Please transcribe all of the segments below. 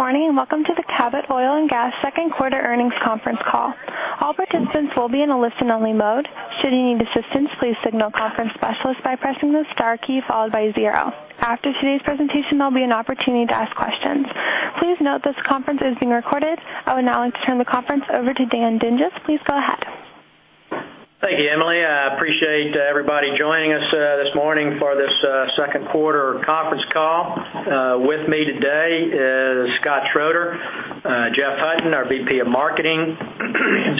Good morning, welcome to the Cabot Oil & Gas second quarter earnings conference call. All participants will be in a listen-only mode. Should you need assistance, please signal the conference specialist by pressing the star key followed by zero. After today's presentation, there'll be an opportunity to ask questions. Please note this conference is being recorded. I would now like to turn the conference over to Dan Dinges. Please go ahead. Thank you, Emily. I appreciate everybody joining us this morning for this second quarter conference call. With me today is Scott Schroeder; Jeff Hutton, our VP of Marketing;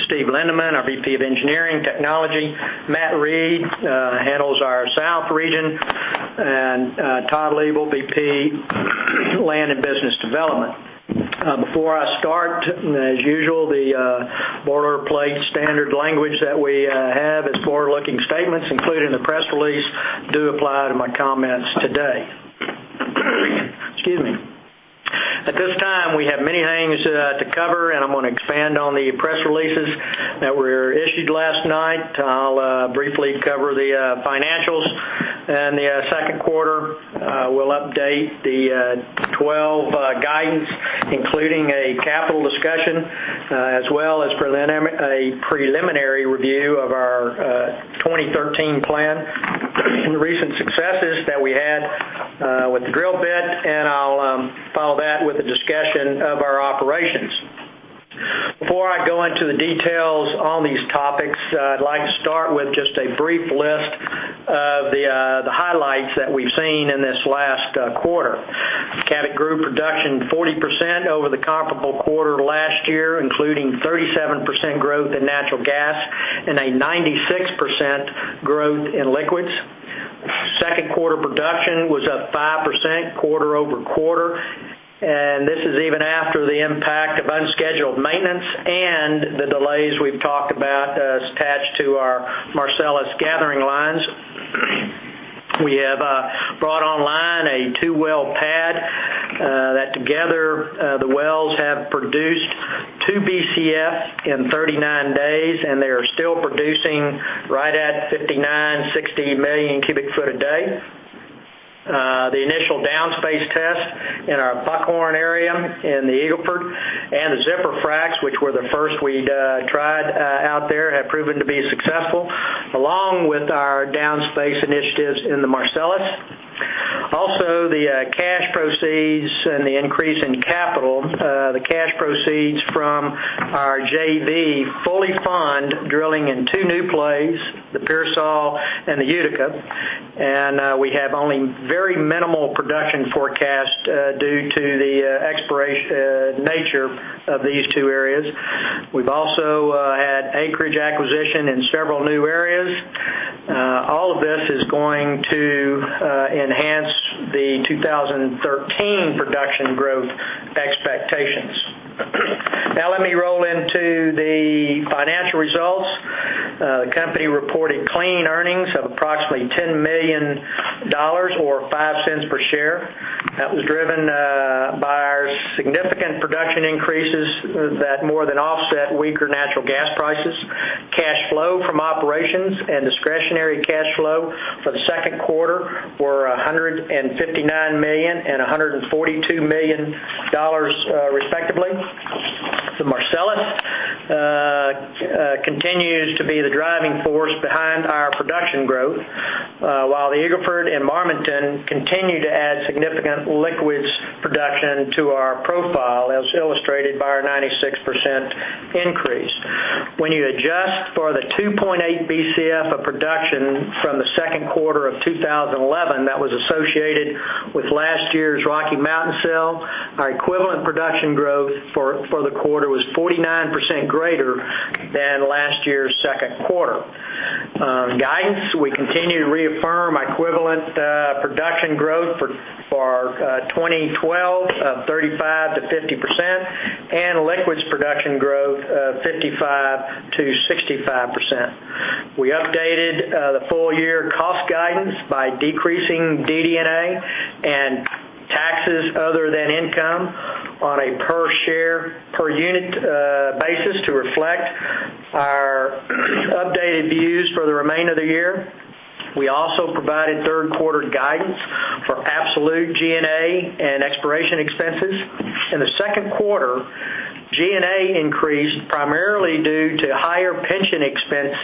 Steve Lindeman, our VP of Engineering Technology; Matt Reid handles our South Region; and Todd Liebel, VP Land and Business Development. Before I start, as usual, the boilerplate standard language that we have is forward-looking statements, including the press release, do apply to my comments today. Excuse me. At this time, we have many things to cover. I'm going to expand on the press releases that were issued last night. I'll briefly cover the financials and the second quarter. We'll update the 2012 guidance, including a capital discussion, as well as present a preliminary review of our 2013 plan, and the recent successes that we had with the drill bit. I'll follow that with a discussion of our operations. Before I go into the details on these topics, I'd like to start with just a brief list of the highlights that we've seen in this last quarter. Cabot grew production 40% over the comparable quarter last year, including 37% growth in natural gas and a 96% growth in liquids. Second quarter production was up 5% quarter-over-quarter. This is even after the impact of unscheduled maintenance and the delays we've talked about as attached to our Marcellus gathering lines. We have brought online a two-well pad, that together, the wells have produced 2 Bcf in 39 days, and they are still producing right at 59, 60 million cubic foot a day. The initial downspace test in our Buckhorn area in the Eagle Ford and the zipper fracs, which were the first we'd tried out there, have proven to be successful, along with our downspace initiatives in the Marcellus. Also, the cash proceeds and the increase in capital. The cash proceeds from our JV fully fund drilling in two new plays, the Pearsall and the Utica. We have only very minimal production forecast due to the exploration nature of these two areas. We've also had acreage acquisition in several new areas. All of this is going to enhance the 2013 production growth expectations. Now let me roll into the financial results. The company reported clean earnings of approximately $10 million or $0.05 per share. That was driven by our significant production increases that more than offset weaker natural gas prices. Cash flow from operations and discretionary cash flow for the second quarter were $159 million and $142 million, respectively. The Marcellus continues to be the driving force behind our production growth, while the Eagle Ford and Marmaton continue to add significant liquids production to our profile, as illustrated by our 96% increase. When you adjust for the 2.8 Bcf of production from the second quarter of 2011 that was associated with last year's Rocky Mountain sale, our equivalent production growth for the quarter was 49% greater than last year's second quarter. Guidance, we continue to reaffirm our equivalent production growth for our 2012 of 35%-50% and liquids production growth of 55%-65%. We updated the full year cost guidance by decreasing DD&A and taxes other than income on a per unit basis to reflect our updated views for the remainder of the year. We also provided third quarter guidance for absolute G&A and exploration expenses. In the second quarter, G&A increased primarily due to higher pension expense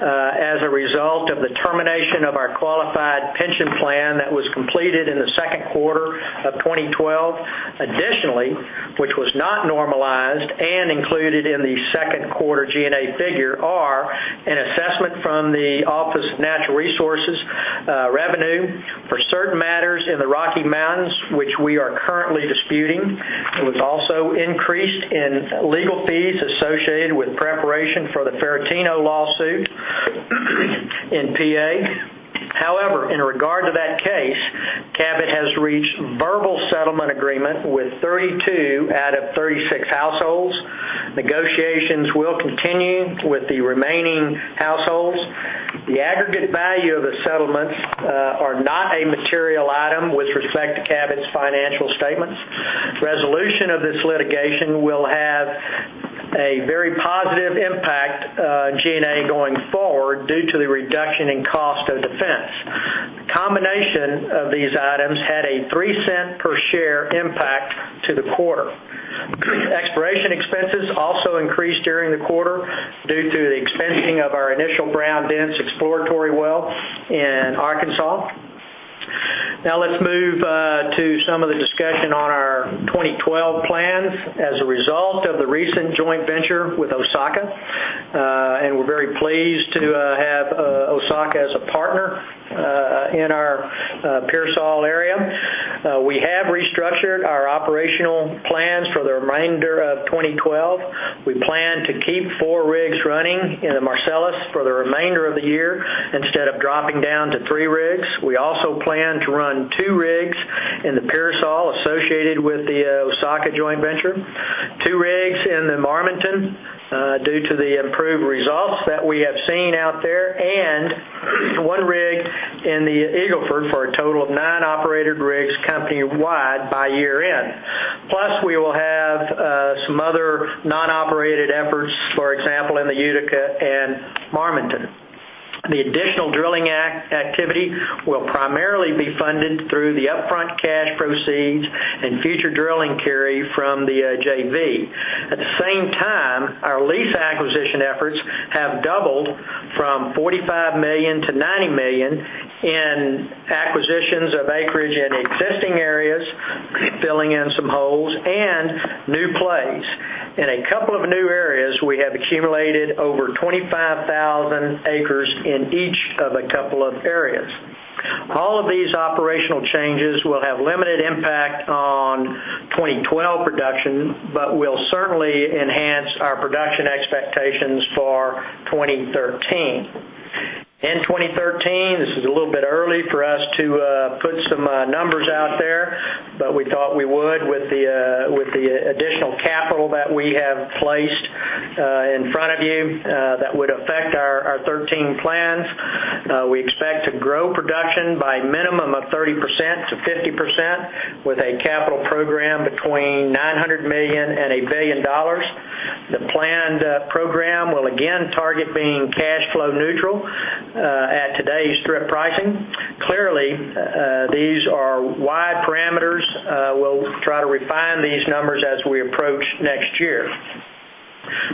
as a result of the termination of our qualified pension plan that was completed in the second quarter of 2012. Additionally, which was not normalized and included in the second quarter G&A figure are an assessment from the Office of Natural Resources Revenue for certain matters in the Rocky Mountains, which we are currently disputing. It was also increased in legal fees associated with preparation for the Fiorentino lawsuit in PA. However, in regard to that case, Cabot has reached verbal settlement agreement with 32 out of 36 households. Negotiations will continue with the remaining households. The aggregate value of the settlements are not a material item with respect to Cabot's financial statements. Resolution of this litigation in cost of defense, combination of these items had a $0.03 per share impact to the quarter. Exploration expenses also increased during the quarter due to the expensing of our initial Brown Dense exploratory well in Arkansas. Now let's move to some of the discussion on our 2012 plans as a result of the recent joint venture with Osaka, and we're very pleased to have Osaka as a partner in our Pearsall area. We have restructured our operational plans for the remainder of 2012. We plan to keep four rigs running in the Marcellus for the remainder of the year, instead of dropping down to three rigs. We also plan to run two rigs in the Pearsall associated with the Osaka joint venture, two rigs in the Marmaton, due to the improved results that we have seen out there, and one rig in the Eagle Ford for a total of nine operated rigs company-wide by year-end. Plus, we will have some other non-operated efforts, for example, in the Utica and Marmaton. The additional drilling activity will primarily be funded through the upfront cash proceeds and future drilling carry from the JV. At the same time, our lease acquisition efforts have doubled from $45 million-$90 million in acquisitions of acreage in existing areas, filling in some holes and new plays. In a couple of new areas, we have accumulated over 25,000 acres in each of a couple of areas. All of these operational changes will have limited impact on 2012 production, but will certainly enhance our production expectations for 2013. In 2013, this is a little bit early for us to put some numbers out there, but we thought we would with the additional capital that we have placed in front of you that would affect our 2013 plans. We expect to grow production by minimum of 30%-50% with a capital program between $900 million and $1 billion. The planned program will again target being cash flow neutral at today's strip pricing. Clearly, these are wide parameters. We'll try to refine these numbers as we approach next year.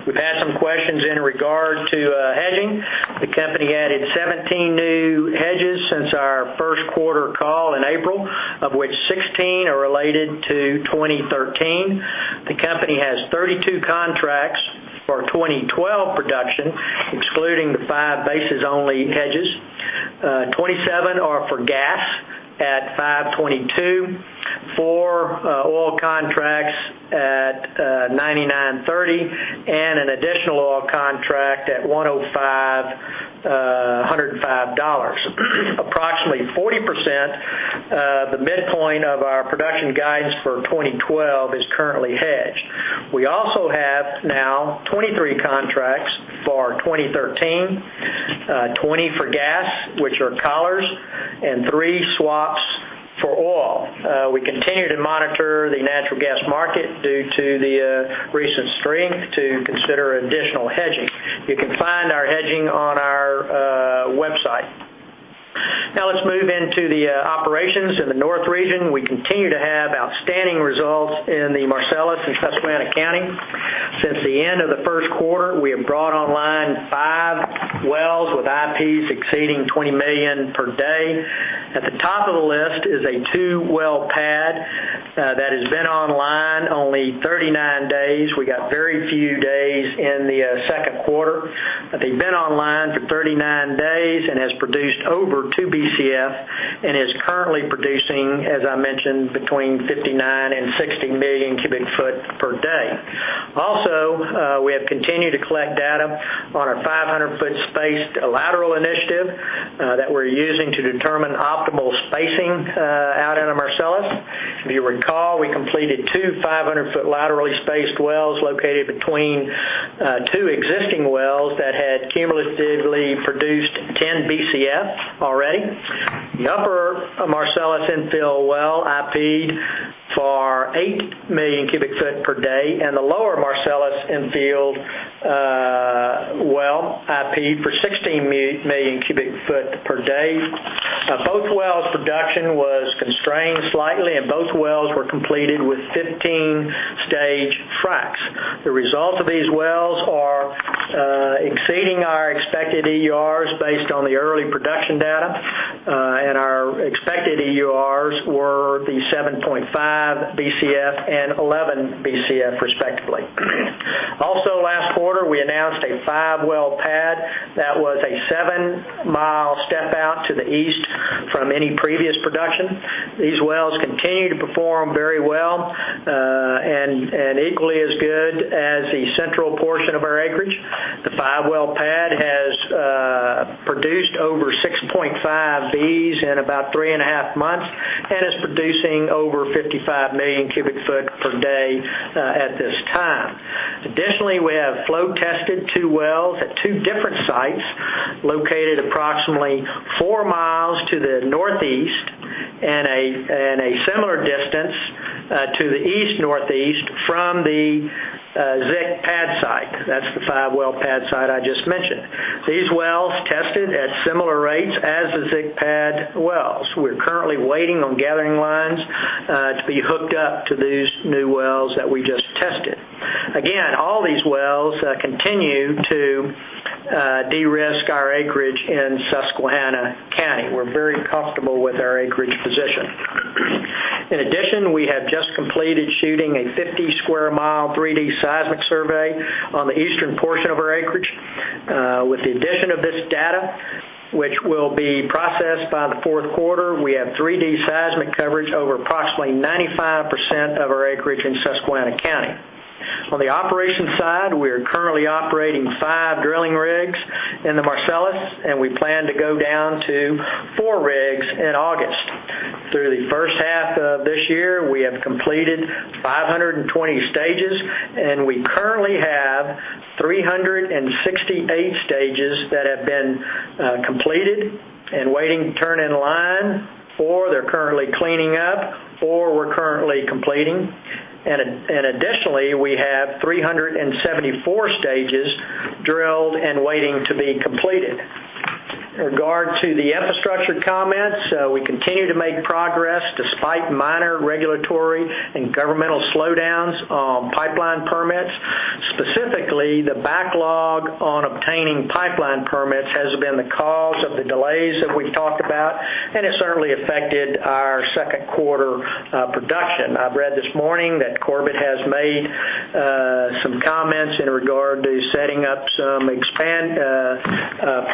We've had some questions in regard to hedging. The company added 17 new hedges since our first quarter call in April, of which 16 are related to 2013. The company has 32 contracts for 2012 production, excluding the five basis only hedges. 27 are for gas at $5.22, four oil contracts at $99.30, and an additional oil contract at $105. Approximately 40%, the midpoint of our production guidance for 2012 is currently hedged. We also have now 23 contracts for 2013, 20 for gas, which are collars, and three swaps for oil. We continue to monitor the natural gas market due to the recent strength to consider additional hedging. You can find our hedging on our website. Now let's move into the operations in the north region. We continue to have outstanding results in the Marcellus in Susquehanna County. Since the end of the first quarter, we have brought online five wells with IPs exceeding 20 million per day. At the top of the list is a two-well pad that has been online only 39 days. We got very few days in the second quarter, but they've been online for 39 days and has produced over 2 Bcf and is currently producing, as I mentioned, between 59 and 60 million cubic foot per day. Also, we have continued to collect data on our 500-foot spaced lateral initiative that we are using to determine optimal spacing out in the Marcellus. If you recall, we completed two 500-foot laterally spaced wells located between two existing wells that had cumulatively produced 10 Bcf already. The upper Marcellus infill well IP'd for 8 million cubic foot per day, and the lower Marcellus infill well IP'd for 16 million cubic foot per day. Both wells' production was constrained slightly, and both wells were completed with 15-stage fracs. The results of these wells are exceeding our expected EURs based on the early production data, and our expected EURs were the 7.5 Bcf and 11 Bcf respectively. Also last quarter, we announced a five-well pad that was a seven-mile step out to the east from any previous production. These wells continue to perform very well, and equally as good as the central portion of our acreage. The five-well pad has produced over 6.5 Bcf in about three and a half months and is producing over 55 million cubic foot per day at this time. Additionally, we have flow tested two wells at two different sites located approximately four miles to the northeast and a similar distance to the east northeast. That's the five-well pad site I just mentioned. These wells tested at similar rates as the Zig pad wells. We're currently waiting on gathering lines to be hooked up to these new wells that we just tested. All these wells continue to de-risk our acreage in Susquehanna County. We're very comfortable with our acreage position. We have just completed shooting a 50 sq mi 3D seismic survey on the eastern portion of our acreage. With the addition of this data, which will be processed by the 4th quarter, we have 3D seismic coverage over approximately 95% of our acreage in Susquehanna County. On the operations side, we are currently operating 5 drilling rigs in the Marcellus, and we plan to go down to 4 rigs in August. Through the first half of this year, we have completed 520 stages, and we currently have 368 stages that have been completed and waiting to turn in line. 4, they're currently cleaning up. 4 we're currently completing. Additionally, we have 374 stages drilled and waiting to be completed. In regard to the infrastructure comments, we continue to make progress despite minor regulatory and governmental slowdowns on pipeline permits. Specifically, the backlog on obtaining pipeline permits has been the cause of the delays that we've talked about, and it certainly affected our second quarter production. I've read this morning that Tom Corbett has made some comments in regard to setting up some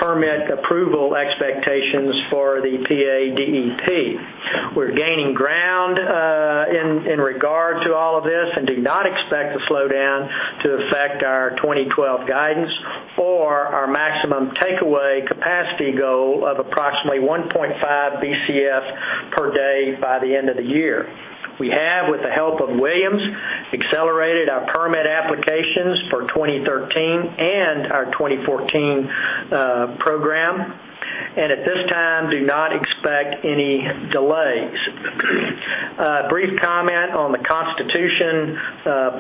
permit approval expectations for the Pennsylvania Department of Environmental Protection. We're gaining ground in regard to all of this and do not expect the slowdown to affect our 2012 guidance or our maximum takeaway capacity goal of approximately 1.5 Bcf/d by the end of the year. We have, with the help of Williams, accelerated our permit applications for 2013 and our 2014 program, and at this time, do not expect any delays. A brief comment on the Constitution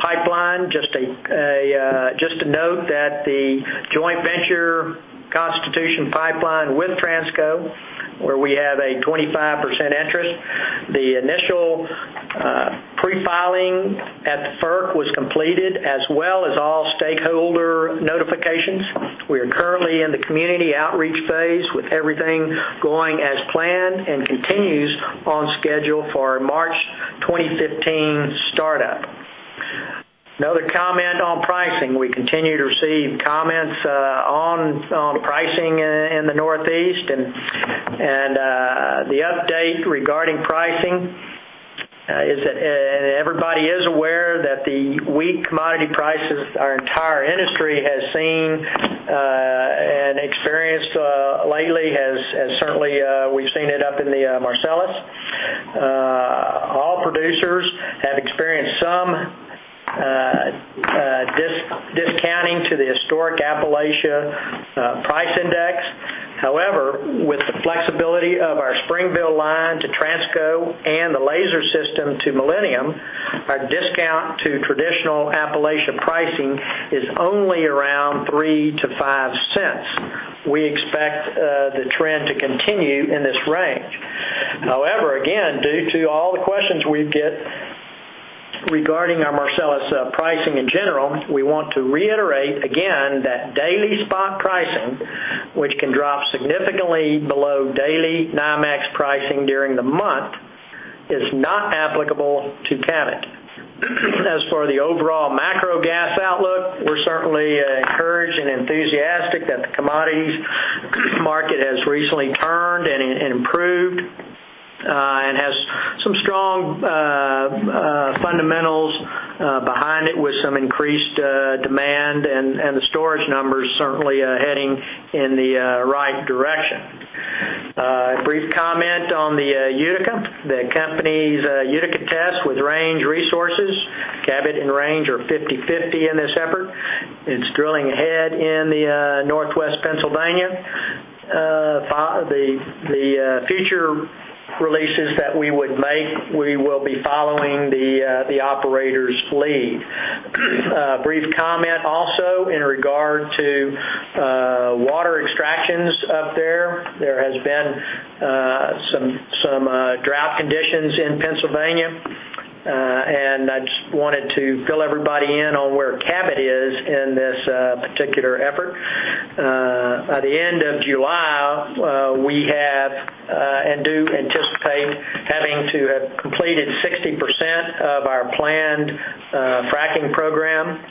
Pipeline. Just a note that the joint venture Constitution Pipeline with Transco, where we have a 25% interest, the initial pre-filing at the Federal Energy Regulatory Commission was completed, as well as all stakeholder notifications. We are currently in the community outreach phase with everything going as planned and continues on schedule for March 2015 startup. Another comment on pricing. We continue to receive comments on pricing in the Northeast, and the update regarding pricing is that everybody is aware that the weak commodity prices our entire industry has seen and experienced lately has certainly, we've seen it up in the Marcellus. All producers have experienced some discounting to the historic Appalachia price index. With the flexibility of our Springville line to Transco and the Laser system to Millennium, our discount to traditional Appalachia pricing is only around $0.03-$0.05. We expect the trend to continue in this range. Again, due to all the questions we get regarding our Marcellus pricing in general, we want to reiterate again that daily spot pricing, which can drop significantly below daily NYMEX pricing during the month, is not applicable to Cabot Oil & Gas. As for the overall macro gas outlook, we're certainly encouraged and enthusiastic that the commodities market has recently turned and improved and has some strong fundamentals behind it with some increased demand and the storage numbers certainly heading in the right direction. A brief comment on the Utica. The company's Utica test with Range Resources, Cabot Oil & Gas and Range Resources are 50/50 in this effort. It's drilling ahead in Northwest Pennsylvania. The future releases that we would make, we will be following the operator's lead. A brief comment also in regard to water extractions up there. There has been some drought conditions in Pennsylvania. I just wanted to fill everybody in on where Cabot is in this particular effort. By the end of July, we have and do anticipate having to have completed 60% of our planned fracking program.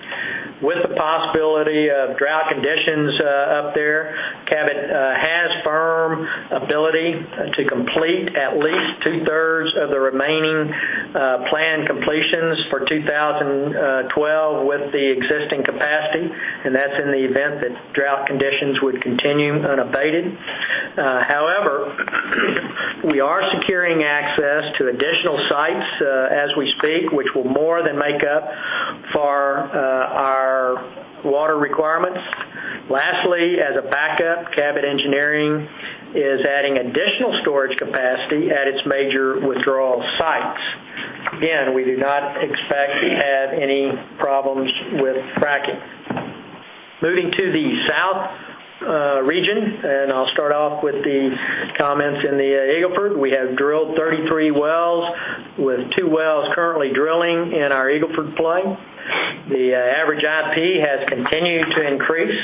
With the possibility of drought conditions up there, Cabot has firm ability to complete at least two-thirds of the remaining planned completions for 2012 with the existing capacity, and that's in the event that drought conditions would continue unabated. However, we are securing access to additional sites as we speak, which will more than make up for our water requirements. Again, we do not expect to have any problems with fracking. Moving to the south region, I'll start off with the comments in the Eagle Ford. We have drilled 33 wells, with two wells currently drilling in our Eagle Ford play. The average IP has continued to increase.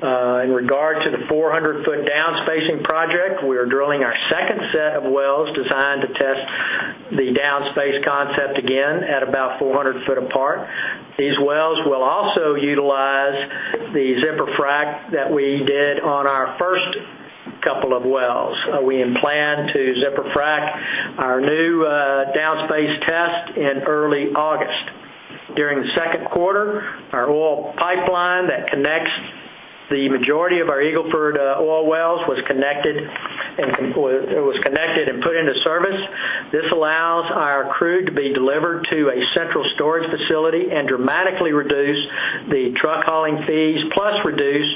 In regard to the 400-foot down spacing project, we are drilling our second set of wells designed to test the down space concept again at about 400 foot apart. These wells will also utilize the zipper frac that we did on our first couple of wells. We plan to zipper frac our new down space test in early August. During the second quarter, our oil pipeline that connects the majority of our Eagle Ford oil wells was connected and put into service. This allows our crude to be delivered to a central storage facility and dramatically reduce the truck hauling fees, plus reduce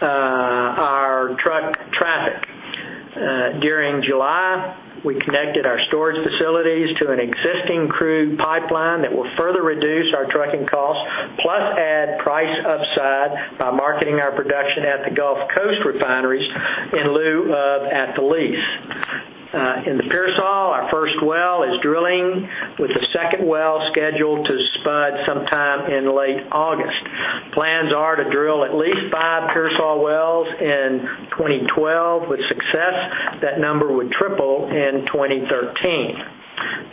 our truck traffic. During July, we connected our storage facilities to an existing crude pipeline that will further reduce our trucking costs, plus add price upside by marketing our production at the Gulf Coast refineries in lieu of at the lease. In the Pearsall, our first well is drilling, with a second well scheduled to spud sometime in late August. Plans are to drill at least five Pearsall wells in 2012. With success, that number would triple in 2013.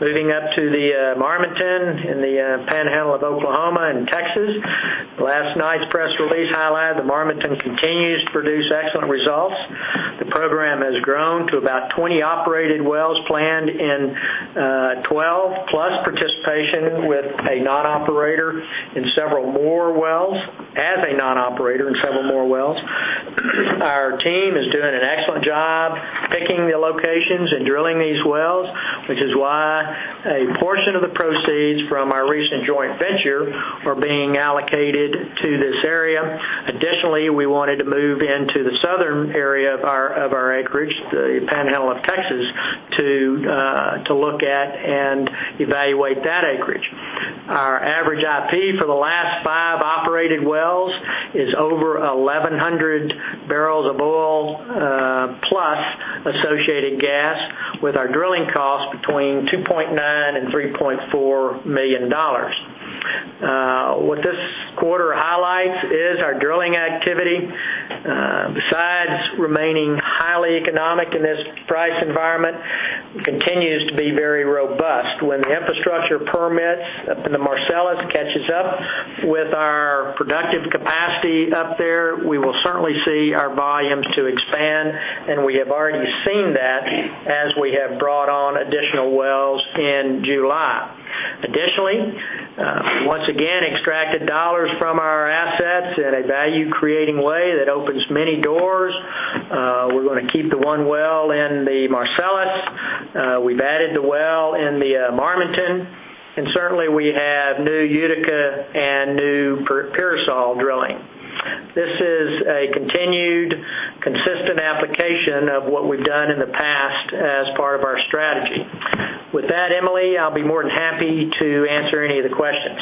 Moving up to the Marmaton in the Panhandle of Oklahoma and Texas. Last night's press release highlighted the Marmaton continues to produce excellent results. The program has grown to about 20 operated wells planned in 2012, plus participation as a non-operator in several more wells. Our team is doing an excellent job picking the locations and drilling these wells, which is why a portion of the proceeds from our recent joint venture are being allocated to this area. Additionally, we wanted to move into the southern area of our acreage, the Panhandle of Texas, to look at and evaluate that acreage. Our average IP for the last five operated wells is over 1,100 barrels of oil plus associated gas, with our drilling cost between $2.9 million and $3.4 million. What this quarter highlights is our drilling activity, besides remaining highly economic in this price environment, continues to be very robust. When the infrastructure permits up in the Marcellus catches up with our productive capacity up there, we will certainly see our volumes to expand, and we have already seen that as we have brought on additional wells in July. Additionally, once again, extracted dollars from our assets in a value-creating way that opens many doors. We're going to keep the one well in the Marcellus. We've added the well in the Marmaton, and certainly, we have new Utica and new Pearsall drilling. This is a continued, consistent application of what we've done in the past as part of our strategy. With that, Emily, I'll be more than happy to answer any of the questions.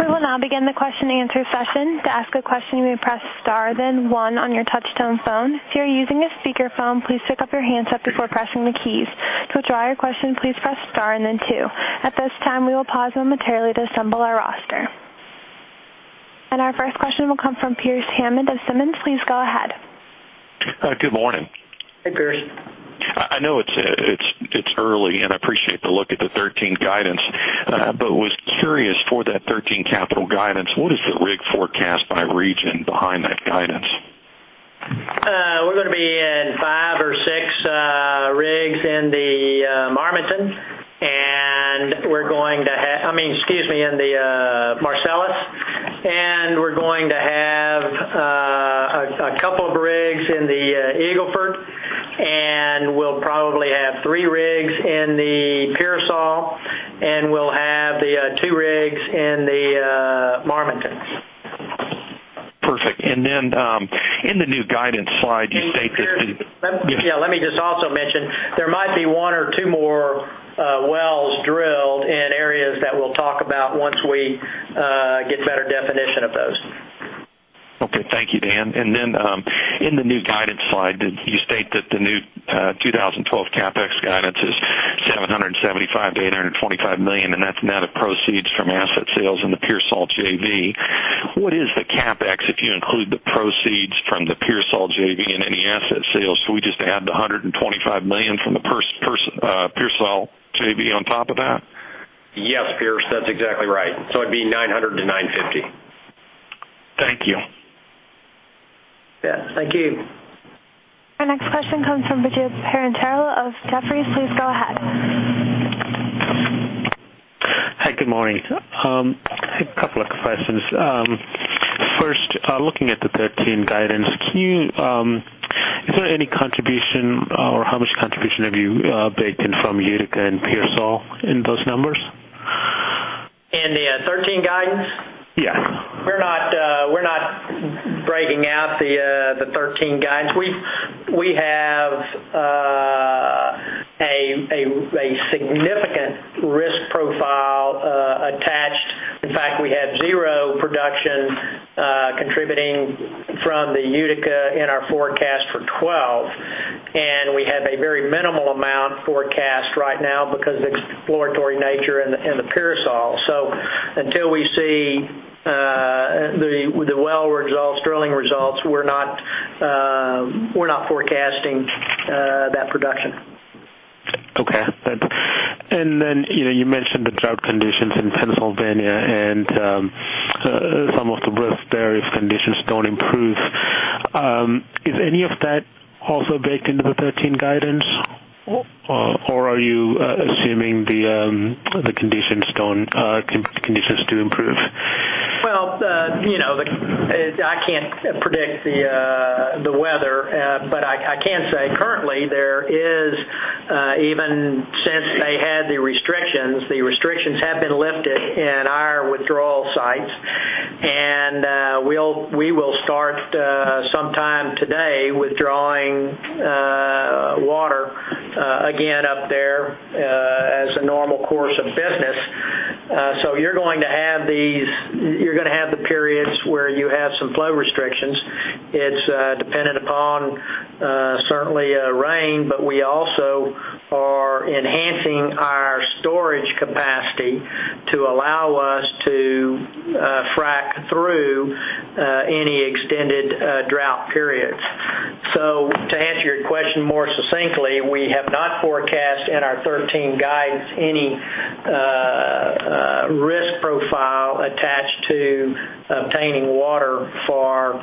We will now begin the question and answer session. To ask a question, you may press star then one on your touchtone phone. If you are using a speakerphone, please pick up your handset before pressing the keys. To withdraw your question, please press star and then two. At this time, we will pause momentarily to assemble our roster. Our first question will come from Pearce Hammond of Simmons. Please go ahead. Hi. Good morning. Hey, Pearce. I know it's early, and I appreciate the look at the 2013 guidance, but was curious for that 2013 capital guidance, what is the rig forecast by region behind that guidance? We're going to be in five or six rigs in the Marcellus. We're going to have a couple of rigs in the Eagle Ford. We'll probably have three rigs in the Pearsall. We'll have the two rigs in the Marmaton. Perfect. In the new guidance slide, you state that. Pearce, let me just also mention, there might be one or two more wells drilled in areas that we'll talk about once we get better definition of those. Okay. Thank you, Dan. In the new guidance slide, you state that the new 2012 CapEx guidance is $775 million-$825 million, and that's net of proceeds from asset sales in the Pearsall JV. What is the CapEx if you include the proceeds from the Pearsall JV and any asset sales? Do we just add the $125 million from the Pearsall JV on top of that? Yes, Pearce, that's exactly right. It'd be $900 million-$950 million. Thank you. Yeah. Thank you. Our next question comes from Biju Perincheril of Jefferies. Please go ahead. Hi. Good morning. A couple of questions. First, looking at the 2013 guidance, is there any contribution or how much contribution have you baked in from Utica and Pearsall in those numbers? In the 2013 guidance? Yes. We have a significant risk profile attached. In fact, we had zero production contributing from the Utica in our forecast for 2012, and we have a very minimal amount forecast right now because of the exploratory nature and the Pearsall. Until we see the well results, drilling results, we're not forecasting that production. Okay. Then you mentioned the drought conditions in Pennsylvania and some of the risk there if conditions don't improve. Is any of that also baked into the 2013 guidance, or are you assuming the conditions to improve? Well, I can't predict the weather. I can say currently, even since they had the restrictions, the restrictions have been lifted in our withdrawal sites, and we will start sometime today withdrawing water again up there as a normal course of business. You're going to have the periods where you have some flow restrictions. It's dependent upon certainly rain, but we also are enhancing our storage capacity to allow us to frack through any extended drought periods. To answer your question more succinctly, we have not forecast in our 2013 guidance any risk profile attached to obtaining water for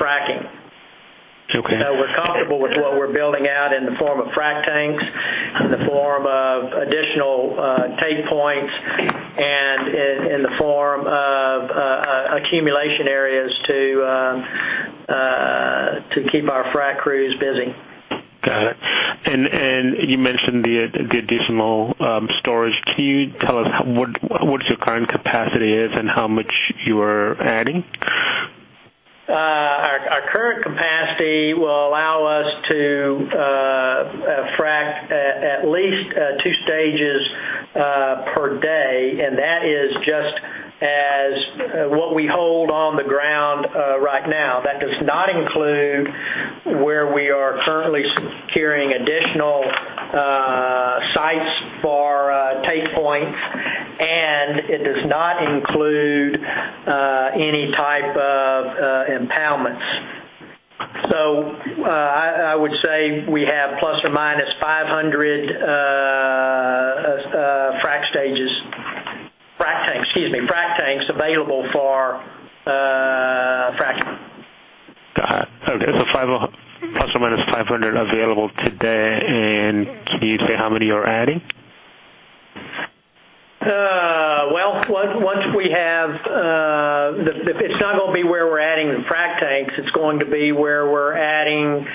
fracking. Okay. We're comfortable with what we're building out in the form of frack tanks, in the form of additional take points, and in the form of accumulation areas to keep our frack crews busy. Got it. You mentioned the additional storage. Can you tell us what your current capacity is and how much you are adding? Our current capacity will allow us to frack at least 2 stages per day. That is just what we hold on the ground right now. That does not include where we are currently securing additional sites for tape points. It does not include any type of impoundments. I would say we have ±500 frack tanks available for fracking. Got it. Okay. Plus or minus 500 available today. Can you say how many you're adding? It's not going to be where we're adding the frack tanks. It's going to be where we're adding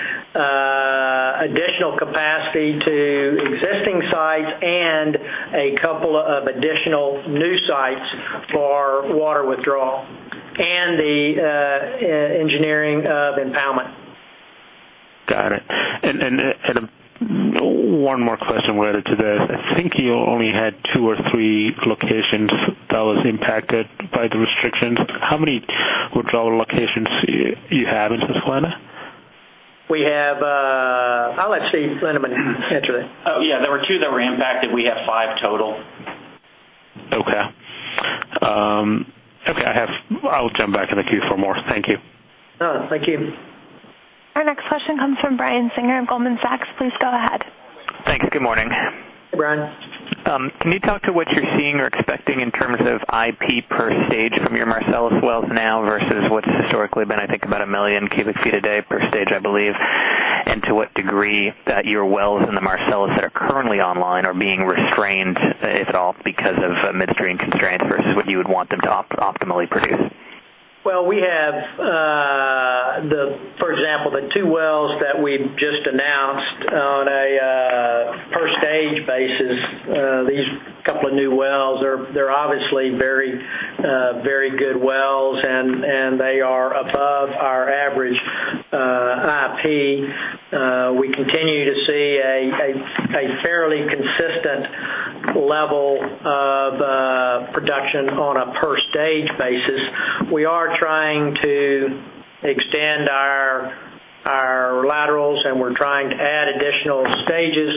additional capacity to existing sites and a couple of additional new sites for water withdrawal and the engineering of impoundment. Got it. One more question related to this. I think you only had two or three locations that was impacted by the restrictions. How many withdrawal locations you have in Pennsylvania? I'll let Steve Lindeman answer that. Yeah, there were two that were impacted. We have five total. Okay. I'll jump back in the queue for more. Thank you. Thank you. Our next question comes from Brian Singer of Goldman Sachs. Please go ahead. Thanks. Good morning. Hey, Brian. Can you talk to what you're seeing or expecting in terms of IP per stage from your Marcellus wells now versus what's historically been, I think, about 1 million cubic feet a day per stage, I believe? To what degree that your wells in the Marcellus that are currently online are being restrained if at all because of midstream constraints versus what you would want them to optimally produce? Well, for example, the two wells that we've just announced on a per stage basis, these couple of new wells, they're obviously very good wells, and they are above our average IP. We continue to see a fairly consistent level of production on a per stage basis. We are trying to extend our laterals, and we're trying to add additional stages.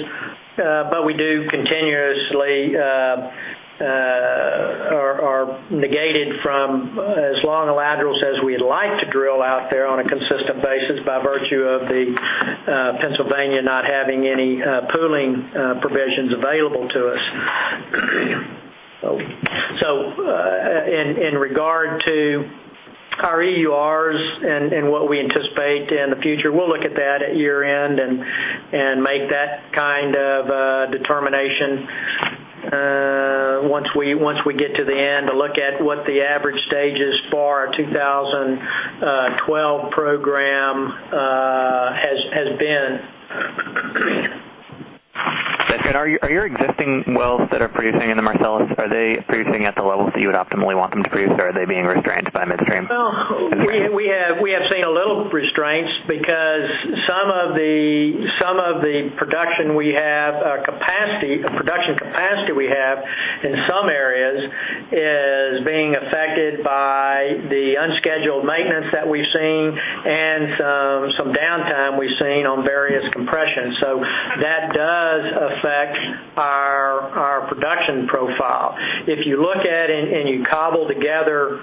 We do continuously are negated from as long of laterals as we'd like to drill out there on a consistent basis by virtue of the Pennsylvania not having any pooling provisions available to us. In regard to our EURs and what we anticipate in the future, we'll look at that at year-end and make that determination once we get to the end to look at what the average stages for our 2012 program wells that are producing in the Marcellus, are they producing at the levels that you would optimally want them to produce, or are they being restrained by midstream? Well, we have seen a little restraints because some of the production capacity we have in some areas is being affected by the unscheduled maintenance that we've seen and some downtime we've seen on various compressions. That does affect our production profile. If you look at it and you cobble together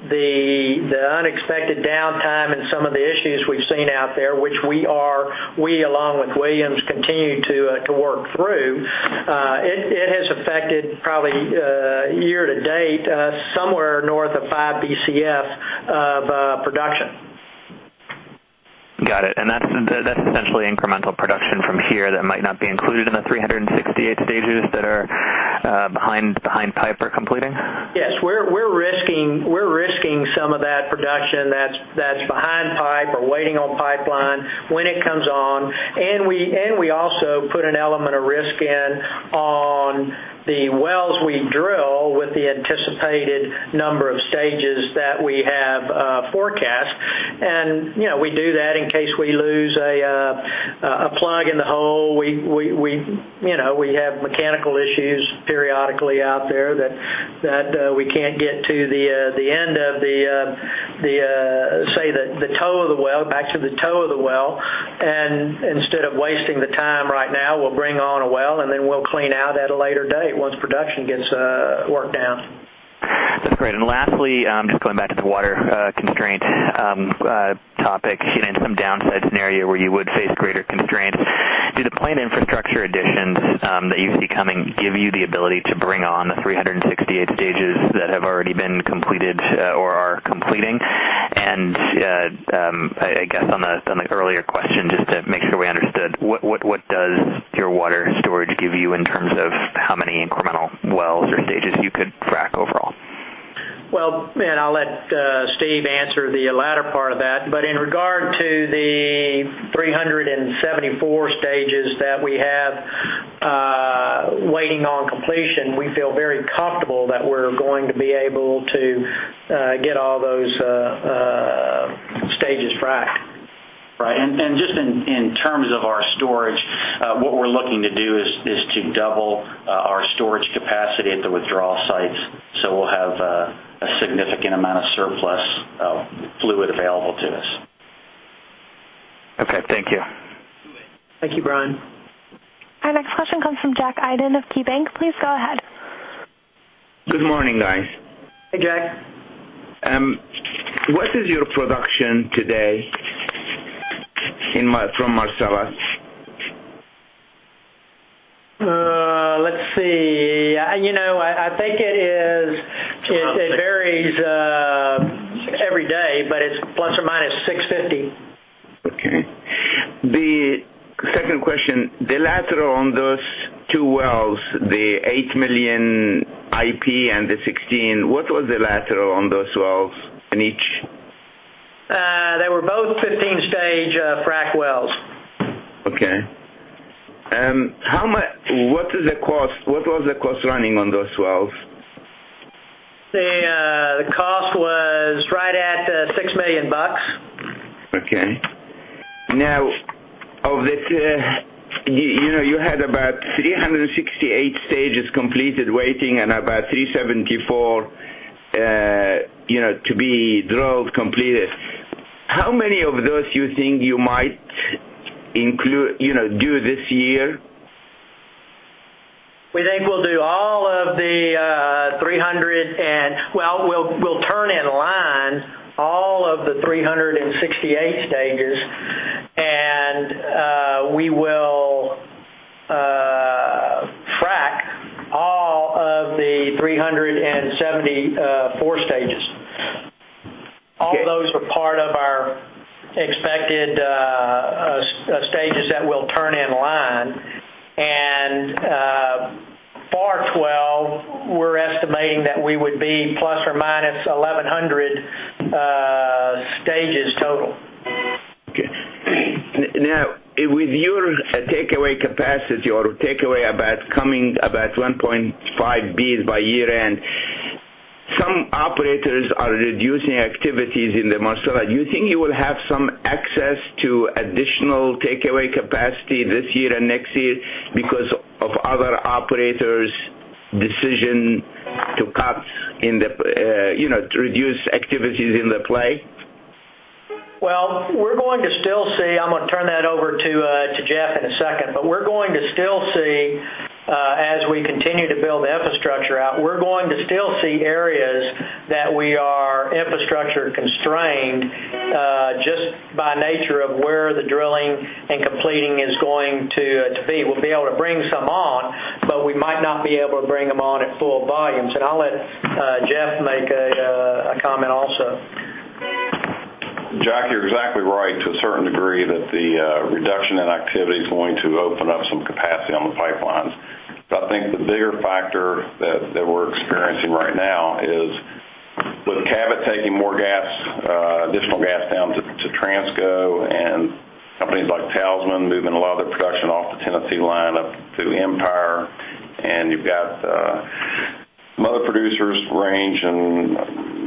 the unexpected downtime and some of the issues we've seen out there, which we, along with Williams, continue to work through, it has affected probably year to date, somewhere north of five BCF of production. Got it. That's essentially incremental production from here that might not be included in the 368 stages that are behind pipe or completing? Yes. We're risking some of that production that's behind pipe or waiting on pipeline when it comes on, and we also put an element of risk in on the wells we drill with the anticipated number of stages that we have forecast. We do that in case we lose a plug in the hole. We have mechanical issues periodically out there that we can't get to the end of the, say, back to the toe of the well, and instead of wasting the time right now, we'll bring on a well, and then we'll clean out at a later date once production gets worked out. That's great. Lastly, just going back to the water constraint topic, getting into some downside scenario where you would face greater constraints. Do the planned infrastructure additions that you see coming give you the ability to bring on the 368 stages that have already been completed or are completing? I guess on the earlier question, just to make sure we understood, what does your water storage give you in terms of how many incremental wells or stages you could frack overall? I'll let Steve answer the latter part of that, but in regard to the 374 stages that we have waiting on completion, we feel very comfortable that we're going to be able to get all those stages fracked. Right. Just in terms of our storage, what we're looking to do is to double our storage capacity at the withdrawal sites, so we'll have a significant amount of surplus fluid available to us. Okay. Thank you. Thank you, Brian. Our next question comes from Jack Eiting of KeyBanc. Please go ahead. Good morning, guys. Hey, Jack. What is your production today from Marcellus? Let's see. I think it varies every day, but it's ±650. Okay. The second question, the lateral on those two wells, the eight million IP and the 16, what was the lateral on those wells in each? They were both 15-stage frac wells. Okay. What was the cost running on those wells? The cost was right at $6 million. Okay. Now, you had about 368 stages completed waiting and about 374 to be drilled, completed. How many of those you think you might do this year? We think we'll turn in line all of the 368 stages, and we will frack all of the 374 stages. Okay. All those are part of our expected stages that we'll turn in line. For 2012, we're estimating that we would be ±1,100 stages total. Okay. Now, with your takeaway capacity or takeaway about coming about 1.5 Bcf by year-end, some operators are reducing activities in the Marcellus. Do you think you will have some access to additional takeaway capacity this year and next year because of other operators' decision to cut, to reduce activities in the play? Well, I'm going to turn that over to Jeff in a second, but as we continue to build infrastructure out, we're going to still see areas that we are infrastructure constrained, just by nature of where the drilling and completing is going to be. We'll be able to bring some on, but we might not be able to bring them on at full volumes. I'll let Jeff make a comment also. Jack, you're exactly right to a certain degree that the reduction in activity is going to open up some capacity on the pipelines. I think the bigger factor that we're experiencing right now is with Cabot taking more gas Companies like Talisman moving a lot of their production off the Tennessee line up to Empire, you've got some other producers, Range,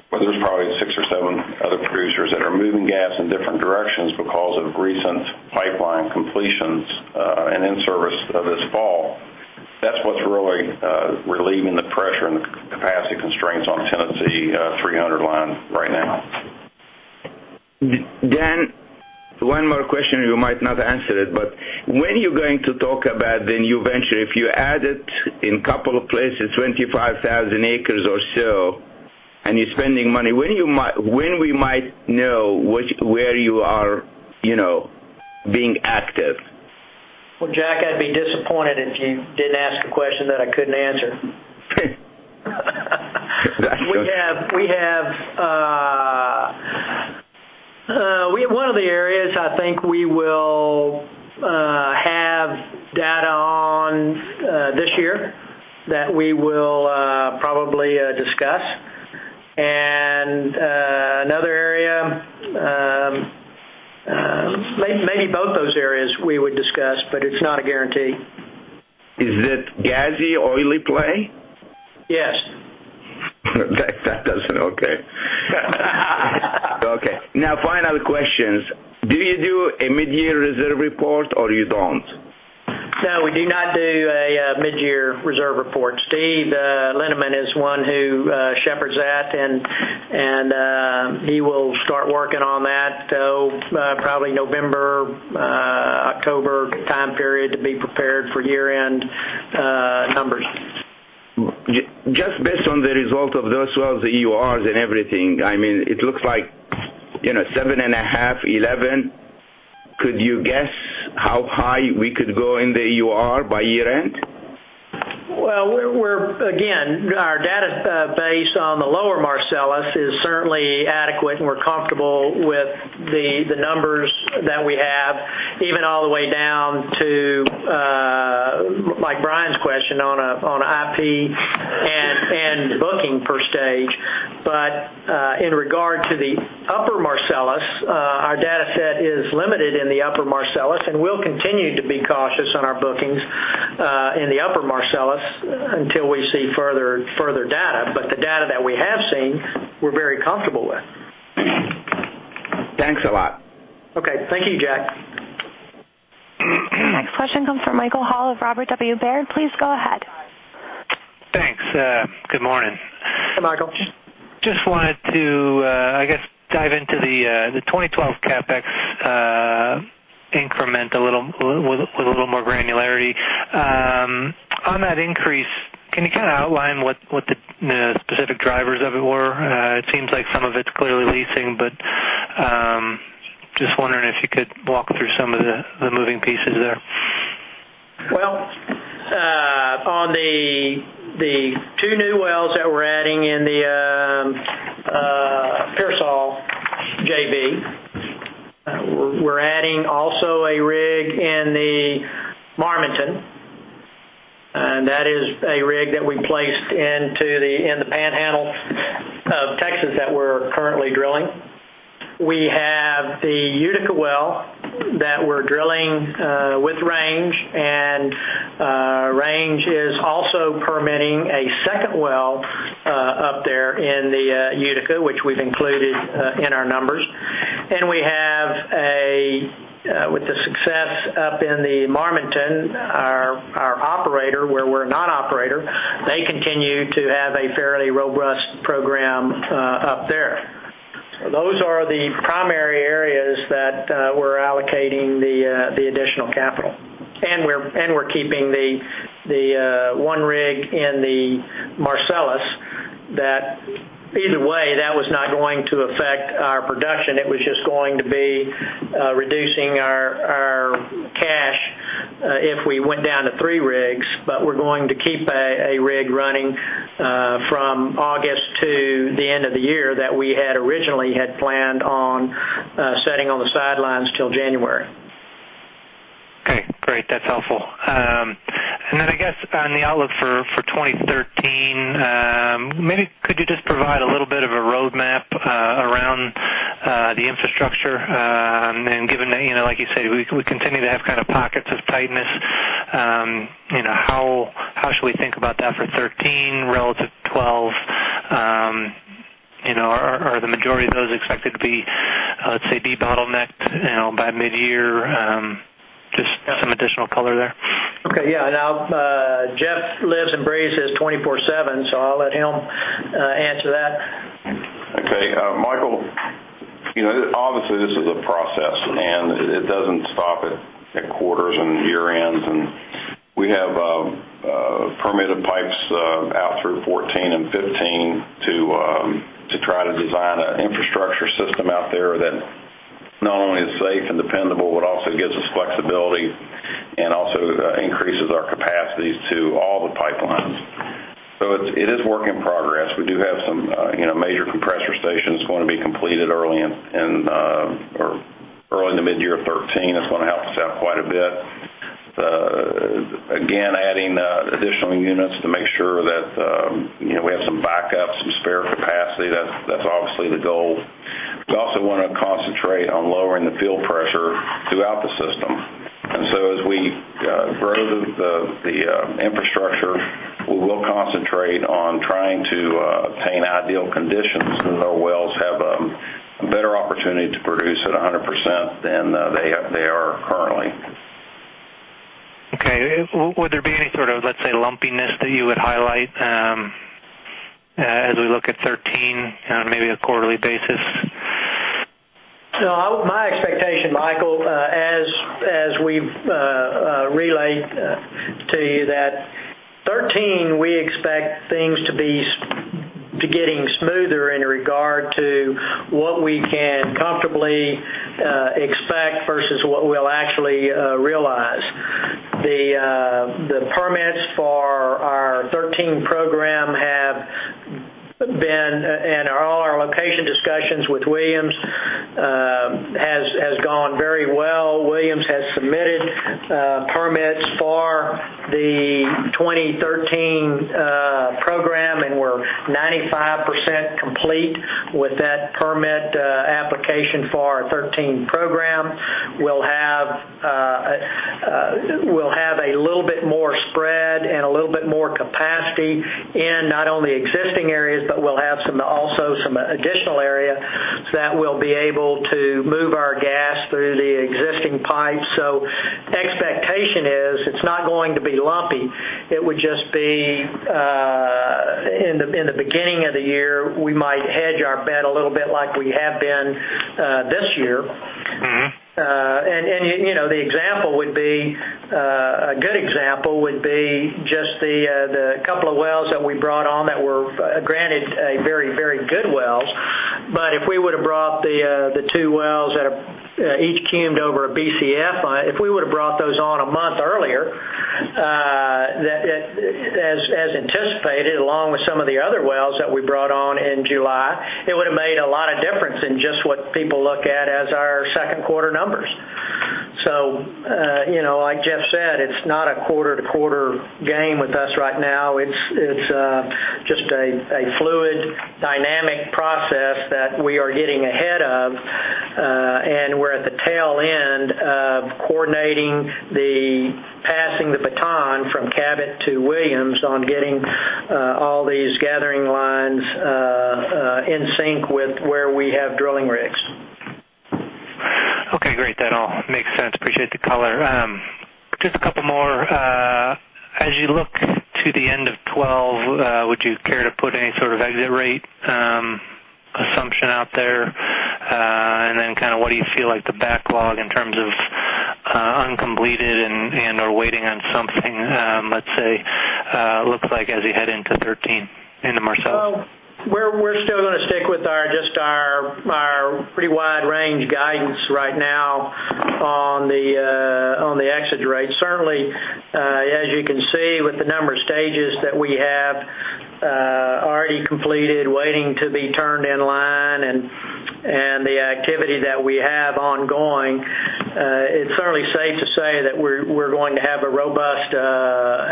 there's probably six or seven other producers that are moving gas in different directions because of recent pipeline completions, in service of this fall. That's what's really relieving the pressure and the capacity constraints on Tennessee 300 Line right now. Dan, one more question, you might not answer it, when are you going to talk about the new venture? If you added, in a couple of places, 25,000 acres or so, you're spending money, when we might know where you are being active? Well, Jack, I'd be disappointed if you didn't ask a question that I couldn't answer. One of the areas I think we will have data on this year that we will probably discuss, and another area Maybe both those areas we would discuss, it's not a guarantee. Is it gassy, oily play? Yes. Final questions. Do you do a mid-year reserve report, or you don't? No, we do not do a mid-year reserve report. Steve Lindeman is one who shepherds that. He will start working on that, probably November, October time period to be prepared for year-end numbers. Just based on the result of those wells, EURs, and everything, it looks like 7.5, 11. Could you guess how high we could go in the EUR by year-end? Again, our database on the lower Marcellus is certainly adequate, and we're comfortable with the numbers that we have, even all the way down to Brian's question on IP and booking per stage. In regard to the upper Marcellus, our data set is limited in the upper Marcellus, and we'll continue to be cautious on our bookings in the upper Marcellus until we see further data. The data that we have seen, we're very comfortable with. Thanks a lot. Okay. Thank you, Jack. Next question comes from Michael Hall of Robert W. Baird. Please go ahead. Thanks. Good morning. Hi, Michael. Just wanted to, I guess, dive into the 2012 CapEx increment with a little more granularity. On that increase, can you outline what the specific drivers of it were? It seems like some of it's clearly leasing, but just wondering if you could walk through some of the moving pieces there. Well, on the two new wells that we're adding in the Pearsall JV, we're adding also a rig in the Marmaton. That is a rig that we placed in the Panhandle of Texas that we're currently drilling. We have the Utica well that we're drilling with Range, and Range is also permitting a second well up there in the Utica, which we've included in our numbers. We have, with the success up in the Marmaton, our operator where we're a non-operator, they continue to have a fairly robust program up there. Those are the primary areas that we're allocating the additional capital. We're keeping the one rig in the Marcellus that either way, that was not going to affect our production. It was just going to be reducing our cash if we went down to three rigs, but we're going to keep a rig running from August to the end of the year that we had originally had planned on sitting on the sidelines till January. Okay, great. That's helpful. Then I guess on the outlook for 2013, maybe could you just provide a little bit of a roadmap around the infrastructure? Given that, like you said, we continue to have pockets of tightness, how should we think about that for 2013 relative to 2012? Are the majority of those expected to be bottlenecked by mid-year? Just some additional color there. Okay. Yeah. Jeff lives and breathes this 24/7, so I'll let him answer that. Okay. Michael, obviously, this is a process, and it doesn't stop at quarters and year-ends. We have permitted pipes out through 2014 and 2015 to try to design an infrastructure system out there that not only is safe and dependable but also gives us flexibility and also increases our capacities to all the pipelines. It is work in progress. We do have some major compressor stations going to be completed early in the mid-year of 2013. That's going to help us out quite a bit. Again, adding additional units to make sure that The goal. We also want to concentrate on lowering the field pressure throughout the system. So as we grow the infrastructure, we will concentrate on trying to attain ideal conditions so the wells have a better opportunity to produce at 100% than they are currently. Okay. Would there be any sort of, let's say, lumpiness that you would highlight as we look at 2013 on maybe a quarterly basis? My expectation, Michael, as we've relayed to you, that 2013, we expect things to be getting smoother in regard to what we can comfortably expect versus what we'll actually realize. The permits for our 2013 program have been, and all our location discussions with Williams, has gone very well. Williams has submitted permits for the 2013 program, and we're 95% complete with that permit application for our 2013 program. We'll have a little bit more spread and a little bit more capacity in not only existing areas, but we'll have also some additional area that we'll be able to move our gas through the existing pipes. Expectation is it's not going to be lumpy. It would just be in the beginning of the year, we might hedge our bet a little bit like we have been this year. A good example would be just the couple of wells that we brought on that were granted very good wells. But if we would've brought the two wells that each cumed over a Bcf, if we would've brought those on a month earlier, as anticipated, along with some of the other wells that we brought on in July, it would've made a lot of difference in just what people look at as our second quarter numbers. Like Jeff said, it's not a quarter-to-quarter game with us right now. It's just a fluid dynamic process that we are getting ahead of. We're at the tail end of coordinating the passing the baton from Cabot to Williams on getting all these gathering lines in sync with where we have drilling rigs. Okay, great. That all makes sense. Appreciate the color. Just a couple more. As you look to the end of 2012, would you care to put any sort of exit rate assumption out there? What do you feel like the backlog in terms of uncompleted and/or waiting on something let's say looks like as you head into 2013, into Marcellus? Well, we're still going to stick with just our pretty wide range guidance right now on the exit rates. Certainly, as you can see with the number of stages that we have already completed waiting to be turned in line and the activity that we have ongoing, it's certainly safe to say that we're going to have a robust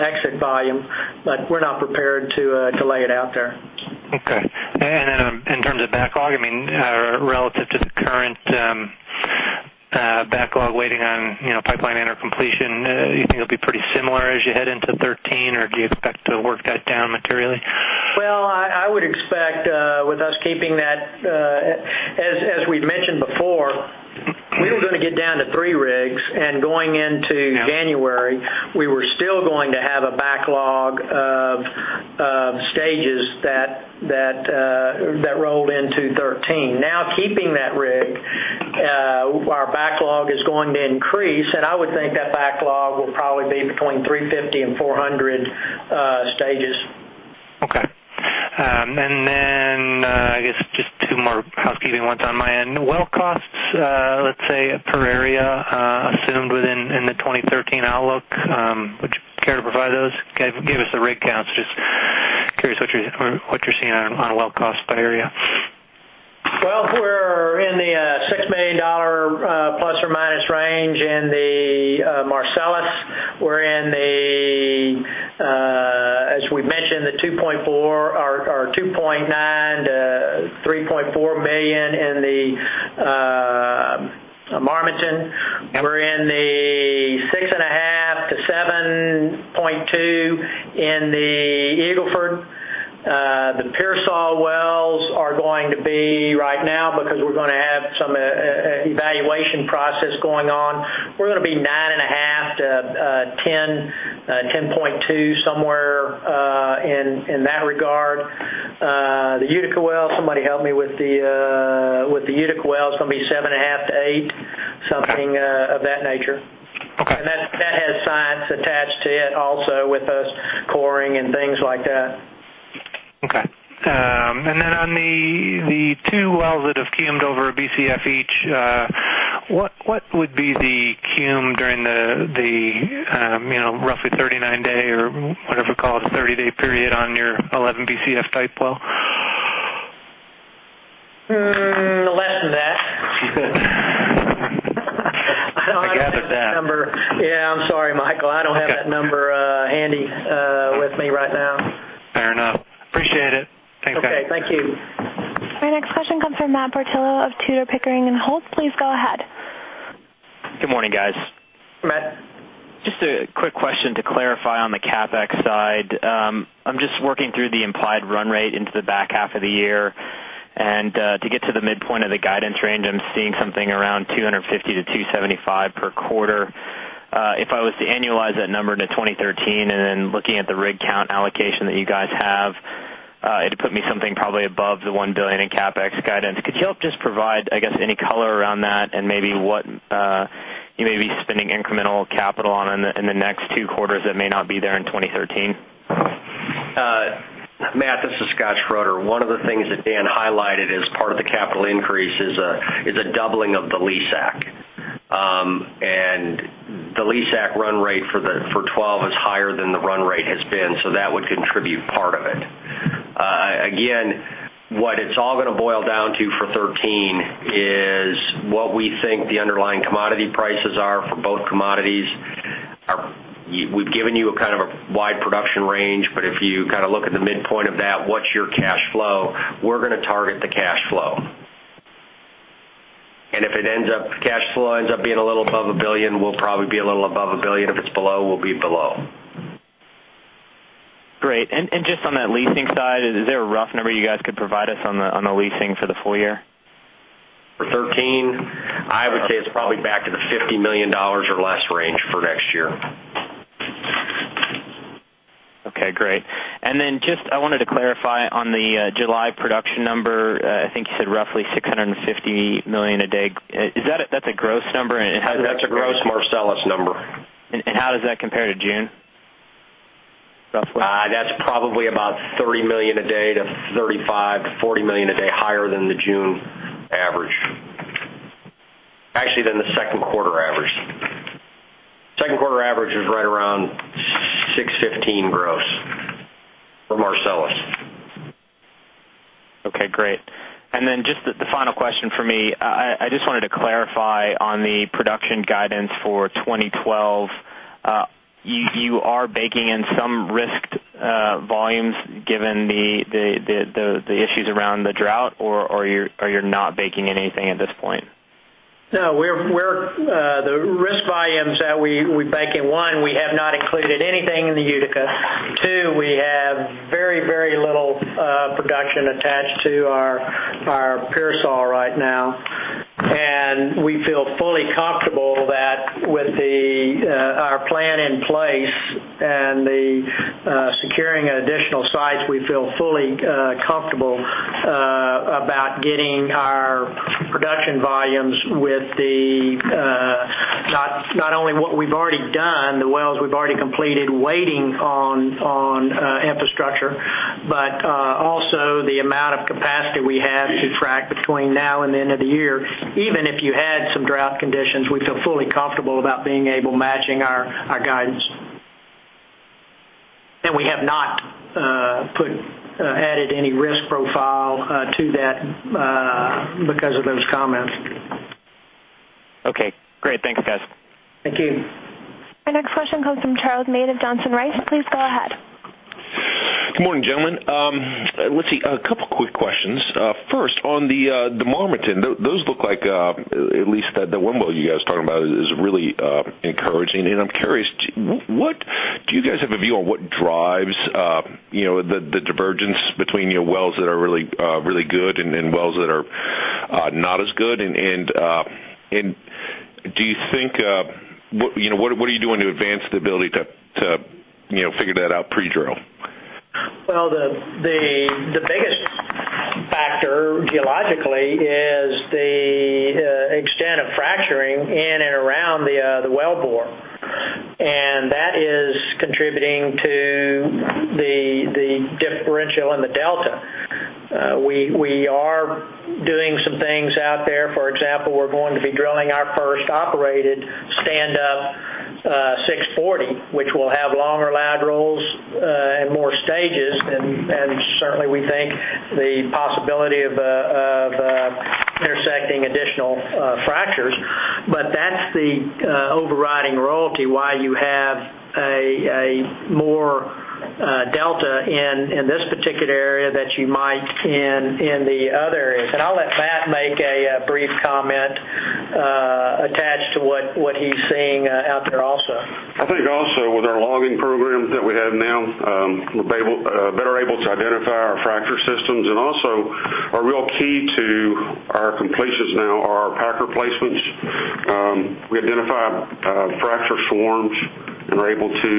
exit volume. We're not prepared to lay it out there. Okay. Then in terms of backlog, relative to the current backlog waiting on pipeline interconnection, do you think it'll be pretty similar as you head into 2013, or do you expect to work that down materially? Well, I would expect with us keeping that, as we mentioned before, we were going to get down to 3 rigs. Going into January, we were still going to have a backlog of stages that rolled into 2013. Keeping that rig, our backlog is going to increase. I would think that backlog will probably be between 350 and 400 stages. Okay. Then I guess just 2 more housekeeping ones on my end. Well costs let's say per area assumed within the 2013 outlook, would you care to provide those? Give us the rig counts. Just curious what you're seeing on well costs by area. Well, we're in the $6 million ± range in the Marcellus. We're in the, as we've mentioned, the $2.9 million-$3.4 million in the Marmaton. We're in the $6.5 million-$7.2 million in the Eagle Ford. The Pearsall wells are going to be right now, because we're going to have some evaluation process going on, we're going to be $9.5 million-$10.2 million, somewhere in that regard. The Utica well, somebody help me with the Utica well. It's going to be $7.5 million-$8 million, something of that nature. Okay. That has science attached to it also with us coring and things like that. Okay. On the two wells that have cumed over a Bcf each, what would be the cumed during the roughly 39-day or whatever call it, 30-day period on your 11 Bcf type well? Fair enough. Appreciate it. Thanks, guys. Okay, thank you. Our next question comes from Matt Portillo of Tudor, Pickering, and Holt. Please go ahead. Good morning, guys. Matt. Just a quick question to clarify on the CapEx side. I'm just working through the implied run rate into the back half of the year. To get to the midpoint of the guidance range, I'm seeing something around $250 million-$275 million per quarter. If I was to annualize that number to 2013, and then looking at the rig count allocation that you guys have, it'd put me something probably above the $1 billion in CapEx guidance. Could you help just provide, I guess, any color around that and maybe what you may be spending incremental capital on in the next two quarters that may not be there in 2013? Matt, this is Scott Schroeder. One of the things that Dan highlighted as part of the capital increase is a doubling of the lease ac. The lease ac run rate for 2012 is higher than the run rate has been, so that would contribute part of it. Again, what it's all going to boil down to for 2013 is what we think the underlying commodity prices are for both commodities are. We've given you a wide production range, but if you look at the midpoint of that, what's your cash flow? We're going to target the cash flow. If cash flow ends up being a little above $1 billion, we'll probably be a little above $1 billion. If it's below, we'll be below. Great. Just on that leasing side, is there a rough number you guys could provide us on the leasing for the full year? For 2013? I would say it's probably back to the $50 million or less range for next year. Okay, great. Just, I wanted to clarify on the July production number, I think you said roughly 650 million a day. That's a gross number? That's a gross Marcellus number. How does that compare to June, roughly? That's probably about $30 million a day to $35 million-$40 million a day higher than the June average. Actually, than the second quarter average. Second quarter average is right around 615 gross for Marcellus. Okay, great. Then just the final question for me, I just wanted to clarify on the production guidance for 2012. You are baking in some risked volumes given the issues around the drought, or you're not baking anything at this point? No. The risk volumes that we bake in, one, we have not included anything in the Utica. Two, we have very little production attached to our Pearsall right now. We feel fully comfortable that with our plan in place and the securing additional sites, we feel fully comfortable about getting our production volumes with the, not only what we've already done, the wells we've already completed waiting on infrastructure, but also the amount of capacity we have to frack between now and the end of the year. Even if you had some drought conditions, we feel fully comfortable about being able matching our guidance. We have not added any risk profile to that because of those comments. Okay, great. Thanks, guys. Thank you. Our next question comes from Charles Meade of Johnson Rice. Please go ahead. Good morning, gentlemen. Let's see, a couple quick questions. First, on the Marmaton, those look like, at least the one well you guys are talking about is really encouraging. I'm curious, do you guys have a view on what drives the divergence between your wells that are really good and wells that are not as good? What are you doing to advance the ability to figure that out pre-drill? Well, the biggest factor geologically is the extent of fracturing in and around the wellbore. That is contributing to the differential in the delta. We are doing some things out there. For example, we're going to be drilling our first operated stand-up 640, which will have longer laterals and more stages, and certainly we think the possibility of intersecting additional fractures. That's the overriding royalty, why you have a more delta in this particular area that you might in the other areas. I'll let Matt make a brief comment attached to what he's seeing out there also. I think also with our logging programs that we have now, we're better able to identify our fracture systems. Also, a real key to our completions now are our packer placements. We identify fracture swarms, and we're able to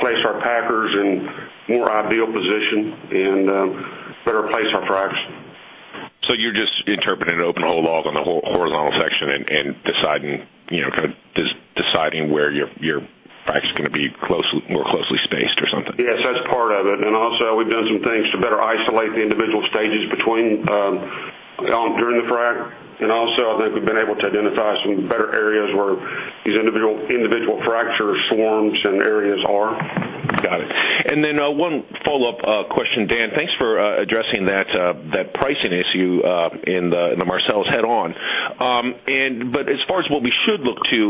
place our packers in more ideal position and better place our fracture. You're just interpreting open hole logs on the whole horizontal section and deciding where your fracture's going to be more closely spaced or something? Yes, that's part of it. Also, we've done some things to better isolate the individual stages during the frack. Also, I think we've been able to identify some better areas where these individual fracture swarms and areas are. Got it. Then one follow-up question, Dan. Thanks for addressing that pricing issue in the Marcellus head-on. As far as what we should look to,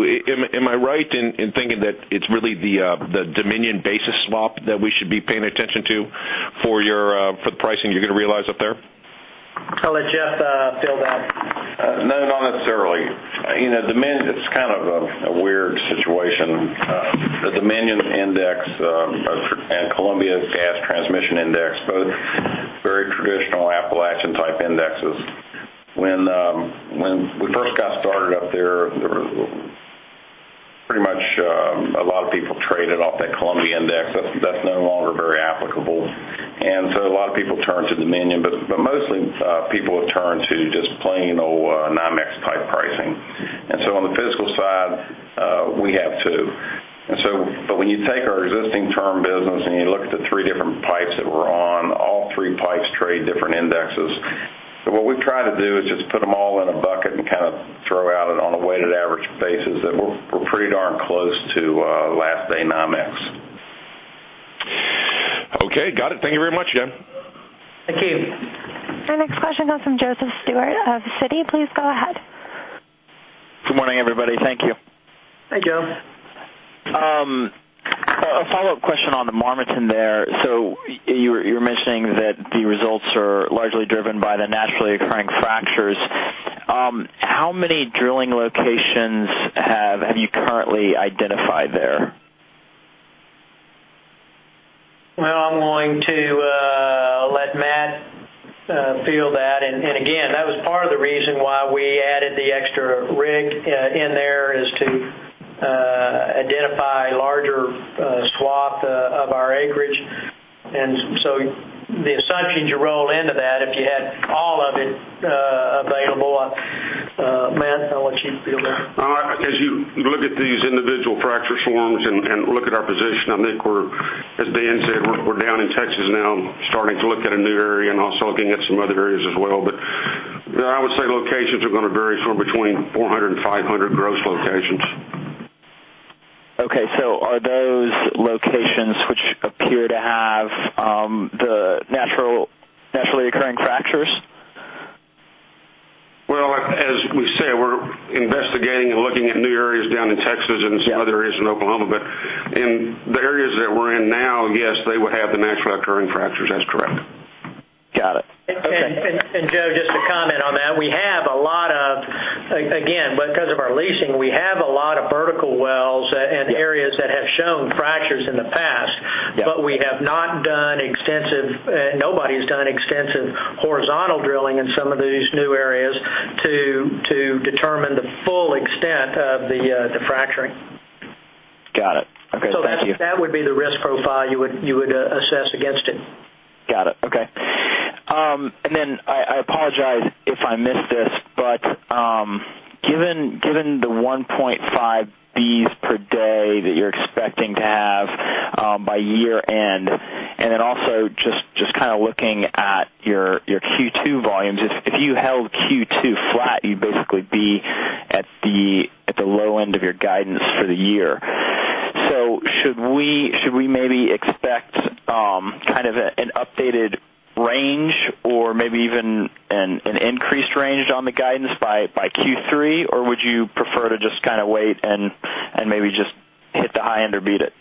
am I right in thinking that it's really the Dominion basis swap that we should be paying attention to for the pricing you're going to realize up there? I'll let Jeff field that. No, not necessarily. It's kind of a weird situation. The Dominion Index and Columbia Gas Transmission Index, both very traditional Appalachian type indexes. When we first got started up there, pretty much a lot of people traded off that Columbia Index. That's no longer very applicable. So a lot of people turn to Dominion, but mostly people have turned to just plain old NYMEX type pricing. So on the physical side, we have too. When you take our existing term business and you look at the three different pipes that we're on, all three pipes trade different indexes. What we try to do is just put them all in a bucket and throw out on a weighted average basis that we're pretty darn close to last day NYMEX. Okay, got it. Thank you very much, gentlemen. Thank you. Our next question comes from Joseph Stewart of Citi. Please go ahead. Good morning, everybody. Thank you. Hi, Joe. A follow-up question on the Marmaton there. You were mentioning that the results are largely driven by the naturally occurring fractures. How many drilling locations have you currently identified there? Well, I'm going to let Matt field that. Again, that was part of the reason why we added the extra rig in there, is to identify larger swath of our acreage. The assumptions you roll into that, if you had all of it available, Matt, I'll let you field that. As you look at these individual fracture forms and look at our position, I think as Dan said, we're down in Texas now starting to look at a new area and also looking at some other areas as well. I would say locations are going to vary somewhere between 400 and 500 gross locations. Are those locations which appear to have the naturally occurring fractures? Well, as we said, we're investigating and looking at new areas down in Texas and some other areas in Oklahoma. In the areas that we're in now, yes, they would have the naturally occurring fractures. That's correct. Got it. Okay. Joe, just to comment on that, again, because of our leasing, we have a lot of vertical wells and areas that have shown fractures in the past, but we have not done extensive, nobody's done extensive horizontal drilling in some of these new areas to determine the full extent of the fracturing. Got it. Okay. Thank you. That would be the risk profile you would assess against it. Got it. Okay. I apologize if I missed this, but given the 1.5 Bcf/d that you're expecting to have by year-end, and then also just looking at your Q2 volumes, if you held Q2 flat, you'd basically be at the low end of your guidance for the year. Should we maybe expect an updated range or maybe even an increased range on the guidance by Q3? Would you prefer to just wait and maybe just hit the high end or beat it?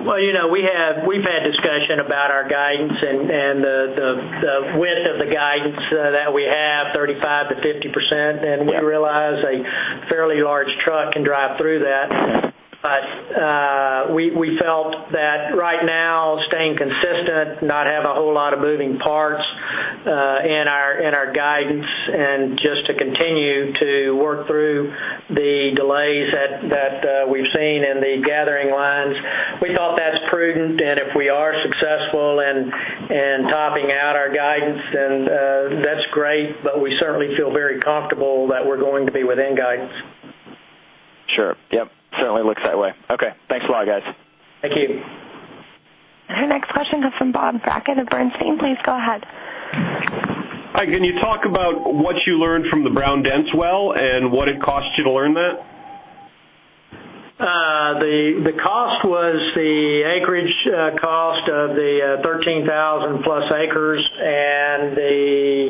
We've had discussion about our guidance and the width of the guidance that we have, 35%-50%, and we realize a fairly large truck can drive through that. We felt that right now, staying consistent, not have a whole lot of moving parts in our guidance, and just to continue to work through the delays that we've seen in the gathering lines, we thought that's prudent, and if we are successful in topping out our guidance, then that's great. We certainly feel very comfortable that we're going to be within guidance. Sure. Yep. Certainly looks that way. Okay. Thanks a lot, guys. Thank you. Our next question comes from Bob Brackett of Bernstein. Please go ahead. Hi. Can you talk about what you learned from the Brown Dense well and what it cost you to learn that? The cost was the acreage cost of the 13,000 plus acres and the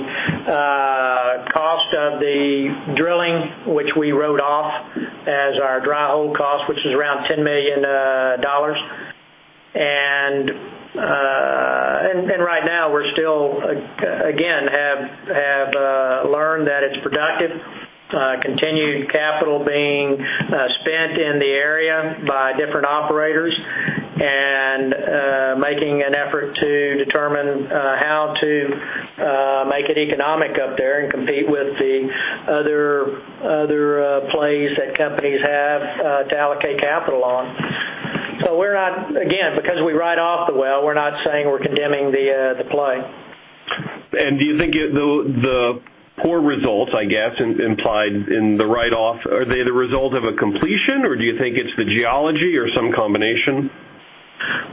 cost of the drilling, which we wrote off as our dry hole cost, which is around $10 million. Right now, we still, again, have learned that it's productive, continued capital being spent in the area by different operators, and making an effort to determine how to make it economic up there and compete with the other plays that companies have to allocate capital on. Again, because we write off the well, we're not saying we're condemning the play. Do you think the poor results, I guess, implied in the write-off, are they the result of a completion, or do you think it's the geology or some combination?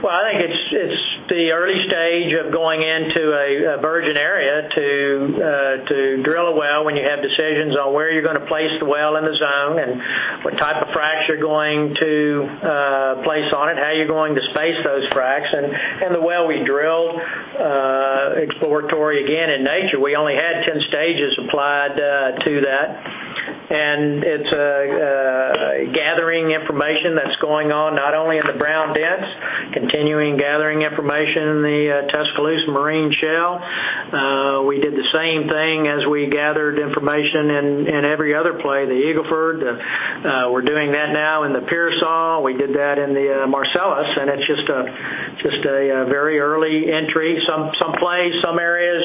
Well, I think it's the early stage of going into a virgin area. How you're going to space those fracs, and the well we drilled, exploratory again in nature, we only had 10 stages applied to that. It's gathering information that's going on, not only in the Brown Dense, continuing gathering information in the Tuscaloosa Marine Shale. We did the same thing as we gathered information in every other play, the Eagle Ford. We're doing that now in the Pearsall. We did that in the Marcellus, and it's just a very early entry, some plays, some areas.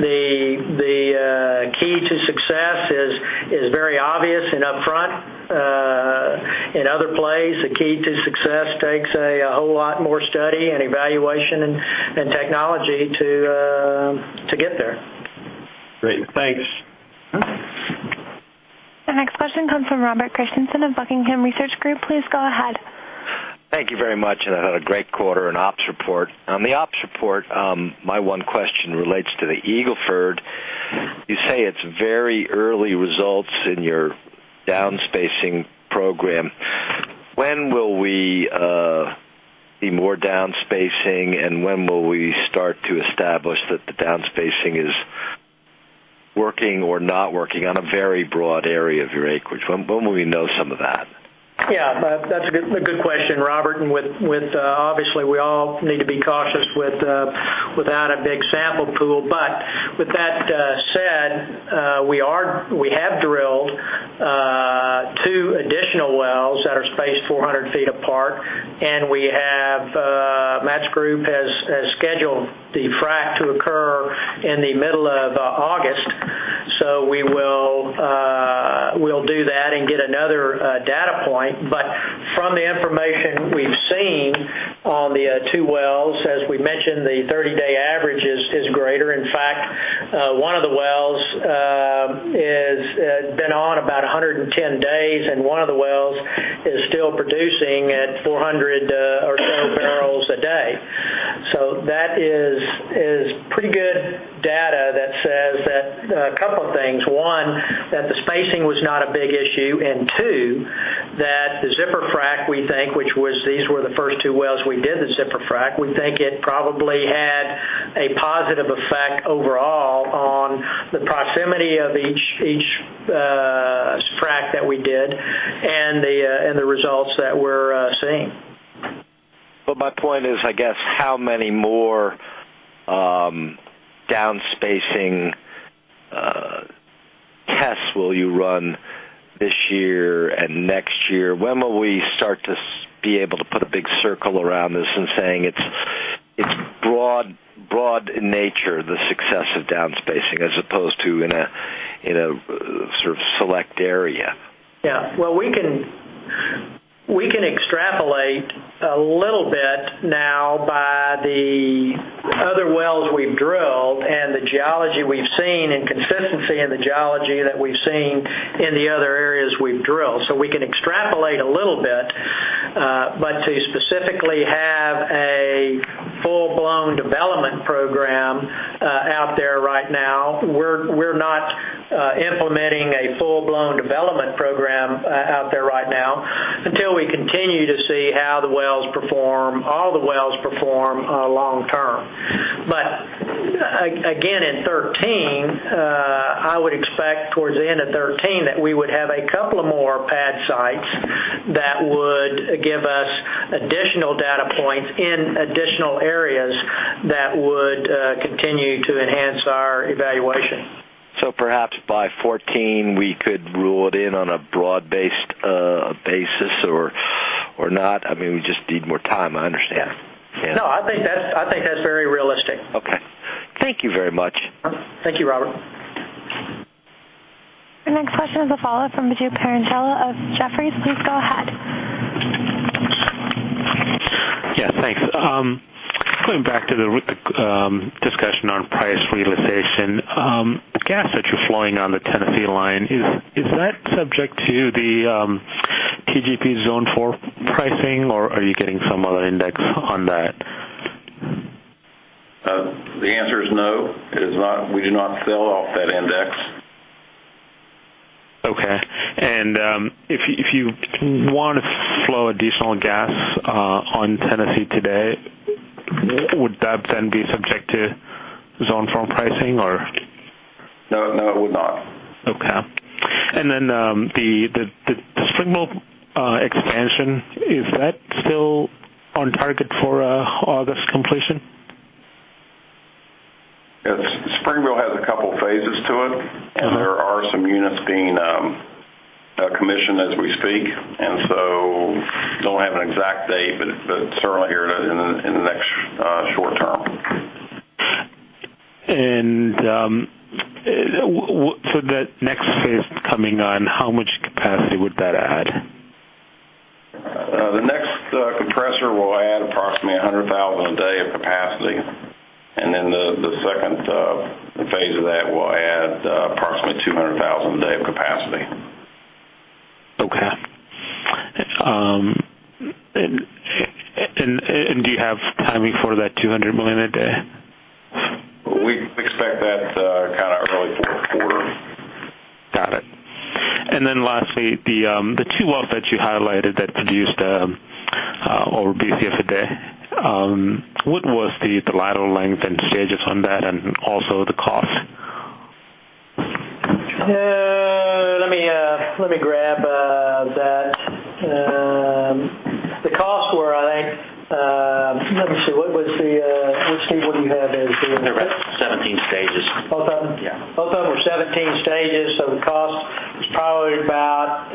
The key to success is very obvious and upfront. In other plays, the key to success takes a whole lot more study and evaluation, and technology to get there. Great. Thanks. The next question comes from Robert Christensen of Buckingham Research Group. Please go ahead. Thank you very much. Another great quarter and ops report. On the ops report, my one question relates to the Eagle Ford. You say it's very early results in your downspacing program. When will we be more downspacing, and when will we start to establish that the downspacing is working or not working on a very broad area of your acreage? When will we know some of that? Yeah. That's a good question, Robert. Obviously, we all need to be cautious without a big sample pool. With that said, we have drilled two additional wells that are spaced 400 feet apart, and Matt Reid has scheduled the frac to occur in the middle of August. We'll do that and get another data point. From the information we've seen on the two wells, as we mentioned, the 30-day average is greater. In fact, one of the wells has been on about 110 days, and one of the wells is still producing at 400 or so barrels a day. That is pretty good data that says a couple of things. One, that the spacing was not a big issue. Two, that the zipper frac, we think, which these were the first two wells we did the zipper frac, we think it probably had a positive effect overall on the proximity of each frac that we did and the results that we're seeing. my point is, I guess, how many more downspacing tests will you run this year and next year? When will we start to be able to put a big circle around this and saying it's broad in nature, the success of downspacing, as opposed to in a sort of select area? Yeah. Well, we can extrapolate a little bit now by the other wells we've drilled and the geology we've seen, and consistency in the geology that we've seen in the other areas we've drilled. we can extrapolate a little bit, but to specifically have a full-blown development program out there right now, we're not implementing a full-blown development program out there right now until we continue to see how the wells perform, all the wells perform long term. again, in 2013, I would expect towards the end of 2013 that we would have a couple of more pad sites that would give us additional data points in additional areas that would continue to enhance our evaluation. perhaps by 2014, we could rule it in on a broad-based basis or not? I mean, we just need more time, I understand. Yeah. No, I think that's very realistic. Okay. Thank you very much. Thank you, Robert. The next question is a follow-up from Biju Perincheril of Jefferies. Please go ahead. Yeah. Thanks. Going back to the discussion on price realization. Gas that you're flowing on the Tennessee line, is that subject to the TGP Zone 4 pricing, or are you getting some other index on that? The answer is no. We do not sell off that index. Okay. If you want to flow additional gas on Tennessee today, would that then be subject to Zone 4 pricing or? No, it would not. Okay. Then the Springville expansion, is that still on target for August completion? Yes. Springville has a couple of phases to it. There are some units being commissioned as we speak, and so don't have an exact date, but certainly here in the next short term. That next phase coming on, how much capacity would that add? The next compressor will add approximately 100,000 a day of capacity, and then the second phase of that will add approximately 200,000 a day of capacity. Okay. Do you have timing for that 200 million a day? Lastly, the 2 wells that you highlighted that produced over Bcf/d, what was the lateral length and stages on that, and also the cost? Let me grab that. The costs were, Let me see. Steve, what do you have as the- They're about 17 stages. Both of them? Yeah. Both of them were 17 stages, the cost was probably about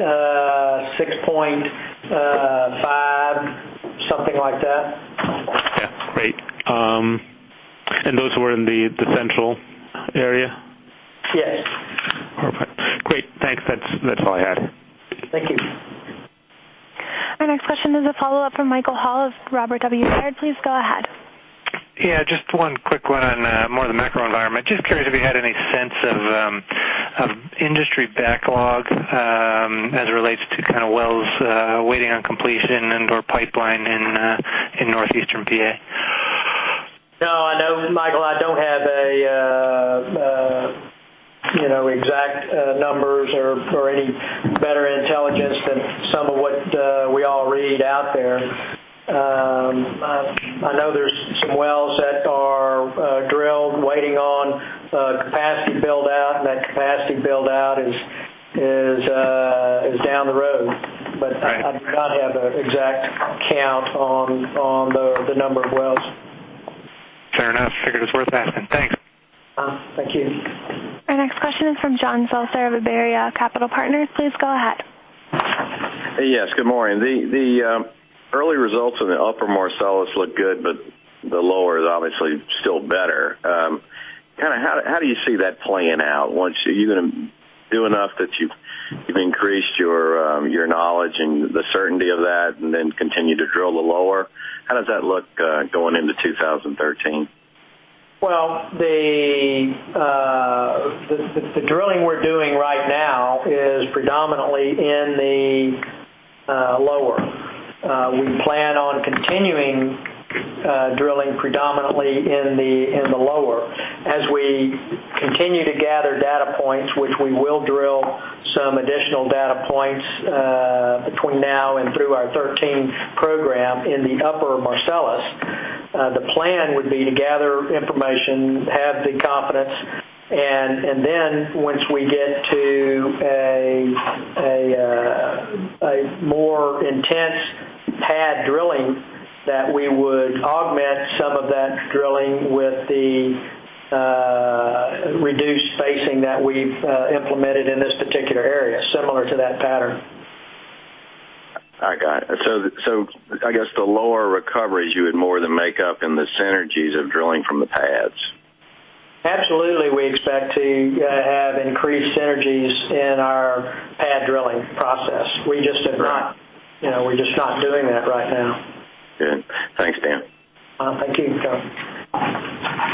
$6.5, something like that. Yeah. Great. Those were in the central area? Yes. Perfect. Great. Thanks. That's all I had. Thank you. Our next question is a follow-up from Michael Hall of Robert W. Baird & Co. Please go ahead. Yeah, just one quick one on more of the macro environment. Just curious if you had any sense of industry backlog as it relates to wells waiting on completion and/or pipeline in northeastern P.A. I know, Michael, I don't have exact numbers or any better intelligence than some of what we all read out there. I know there's some wells that are drilled waiting on capacity build-out, that capacity build-out is down the road. Right. I do not have an exact count on the number of wells. Fair enough. Figured it was worth asking. Thanks. Thank you. Our next question is from Jon Feltheimer of Iberia Capital Partners. Please go ahead. Yes, good morning. The early results in the upper Marcellus look good, but the lower is obviously still better. How do you see that playing out once you've increased your knowledge and the certainty of that, and then continue to drill the lower? How does that look going into 2013? Well, the drilling we're doing right now is predominantly in the lower. We plan on continuing drilling predominantly in the lower. As we continue to gather data points, which we will drill some additional data points between now and through our 2013 program in the upper Marcellus, the plan would be to gather information, have the confidence, and then once we get to a more intense pad drilling, that we would augment some of that drilling with the reduced spacing that we've implemented in this particular area, similar to that pattern. I got it. I guess the lower recoveries you would more than make up in the synergies of drilling from the pads. Absolutely, we expect to have increased synergies in our pad drilling process. We're just not doing that right now. Good. Thanks, Dan. Thank you, Jon.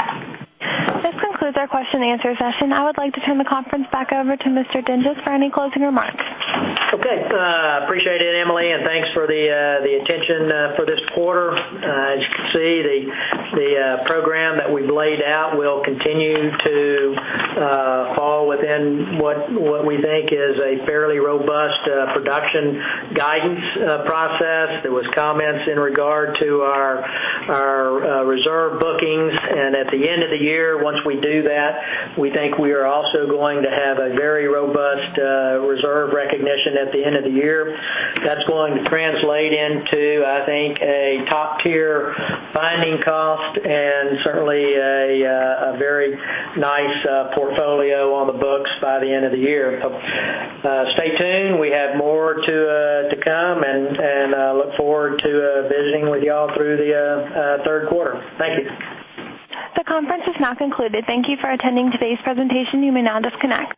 This concludes our question and answer session. I would like to turn the conference back over to Mr. Dinges for any closing remarks. Okay. Appreciate it, Emily, and thanks for the attention for this quarter. As you can see, the program that we've laid out will continue to fall within what we think is a fairly robust production guidance process. There was comments in regard to our reserve bookings. At the end of the year, once we do that, we think we are also going to have a very robust reserve recognition at the end of the year. That's going to translate into, I think, a top-tier finding cost and certainly a very nice portfolio on the books by the end of the year. Stay tuned. We have more to come, and I look forward to visiting with you all through the third quarter. Thank you. The conference is now concluded. Thank you for attending today's presentation. You may now disconnect.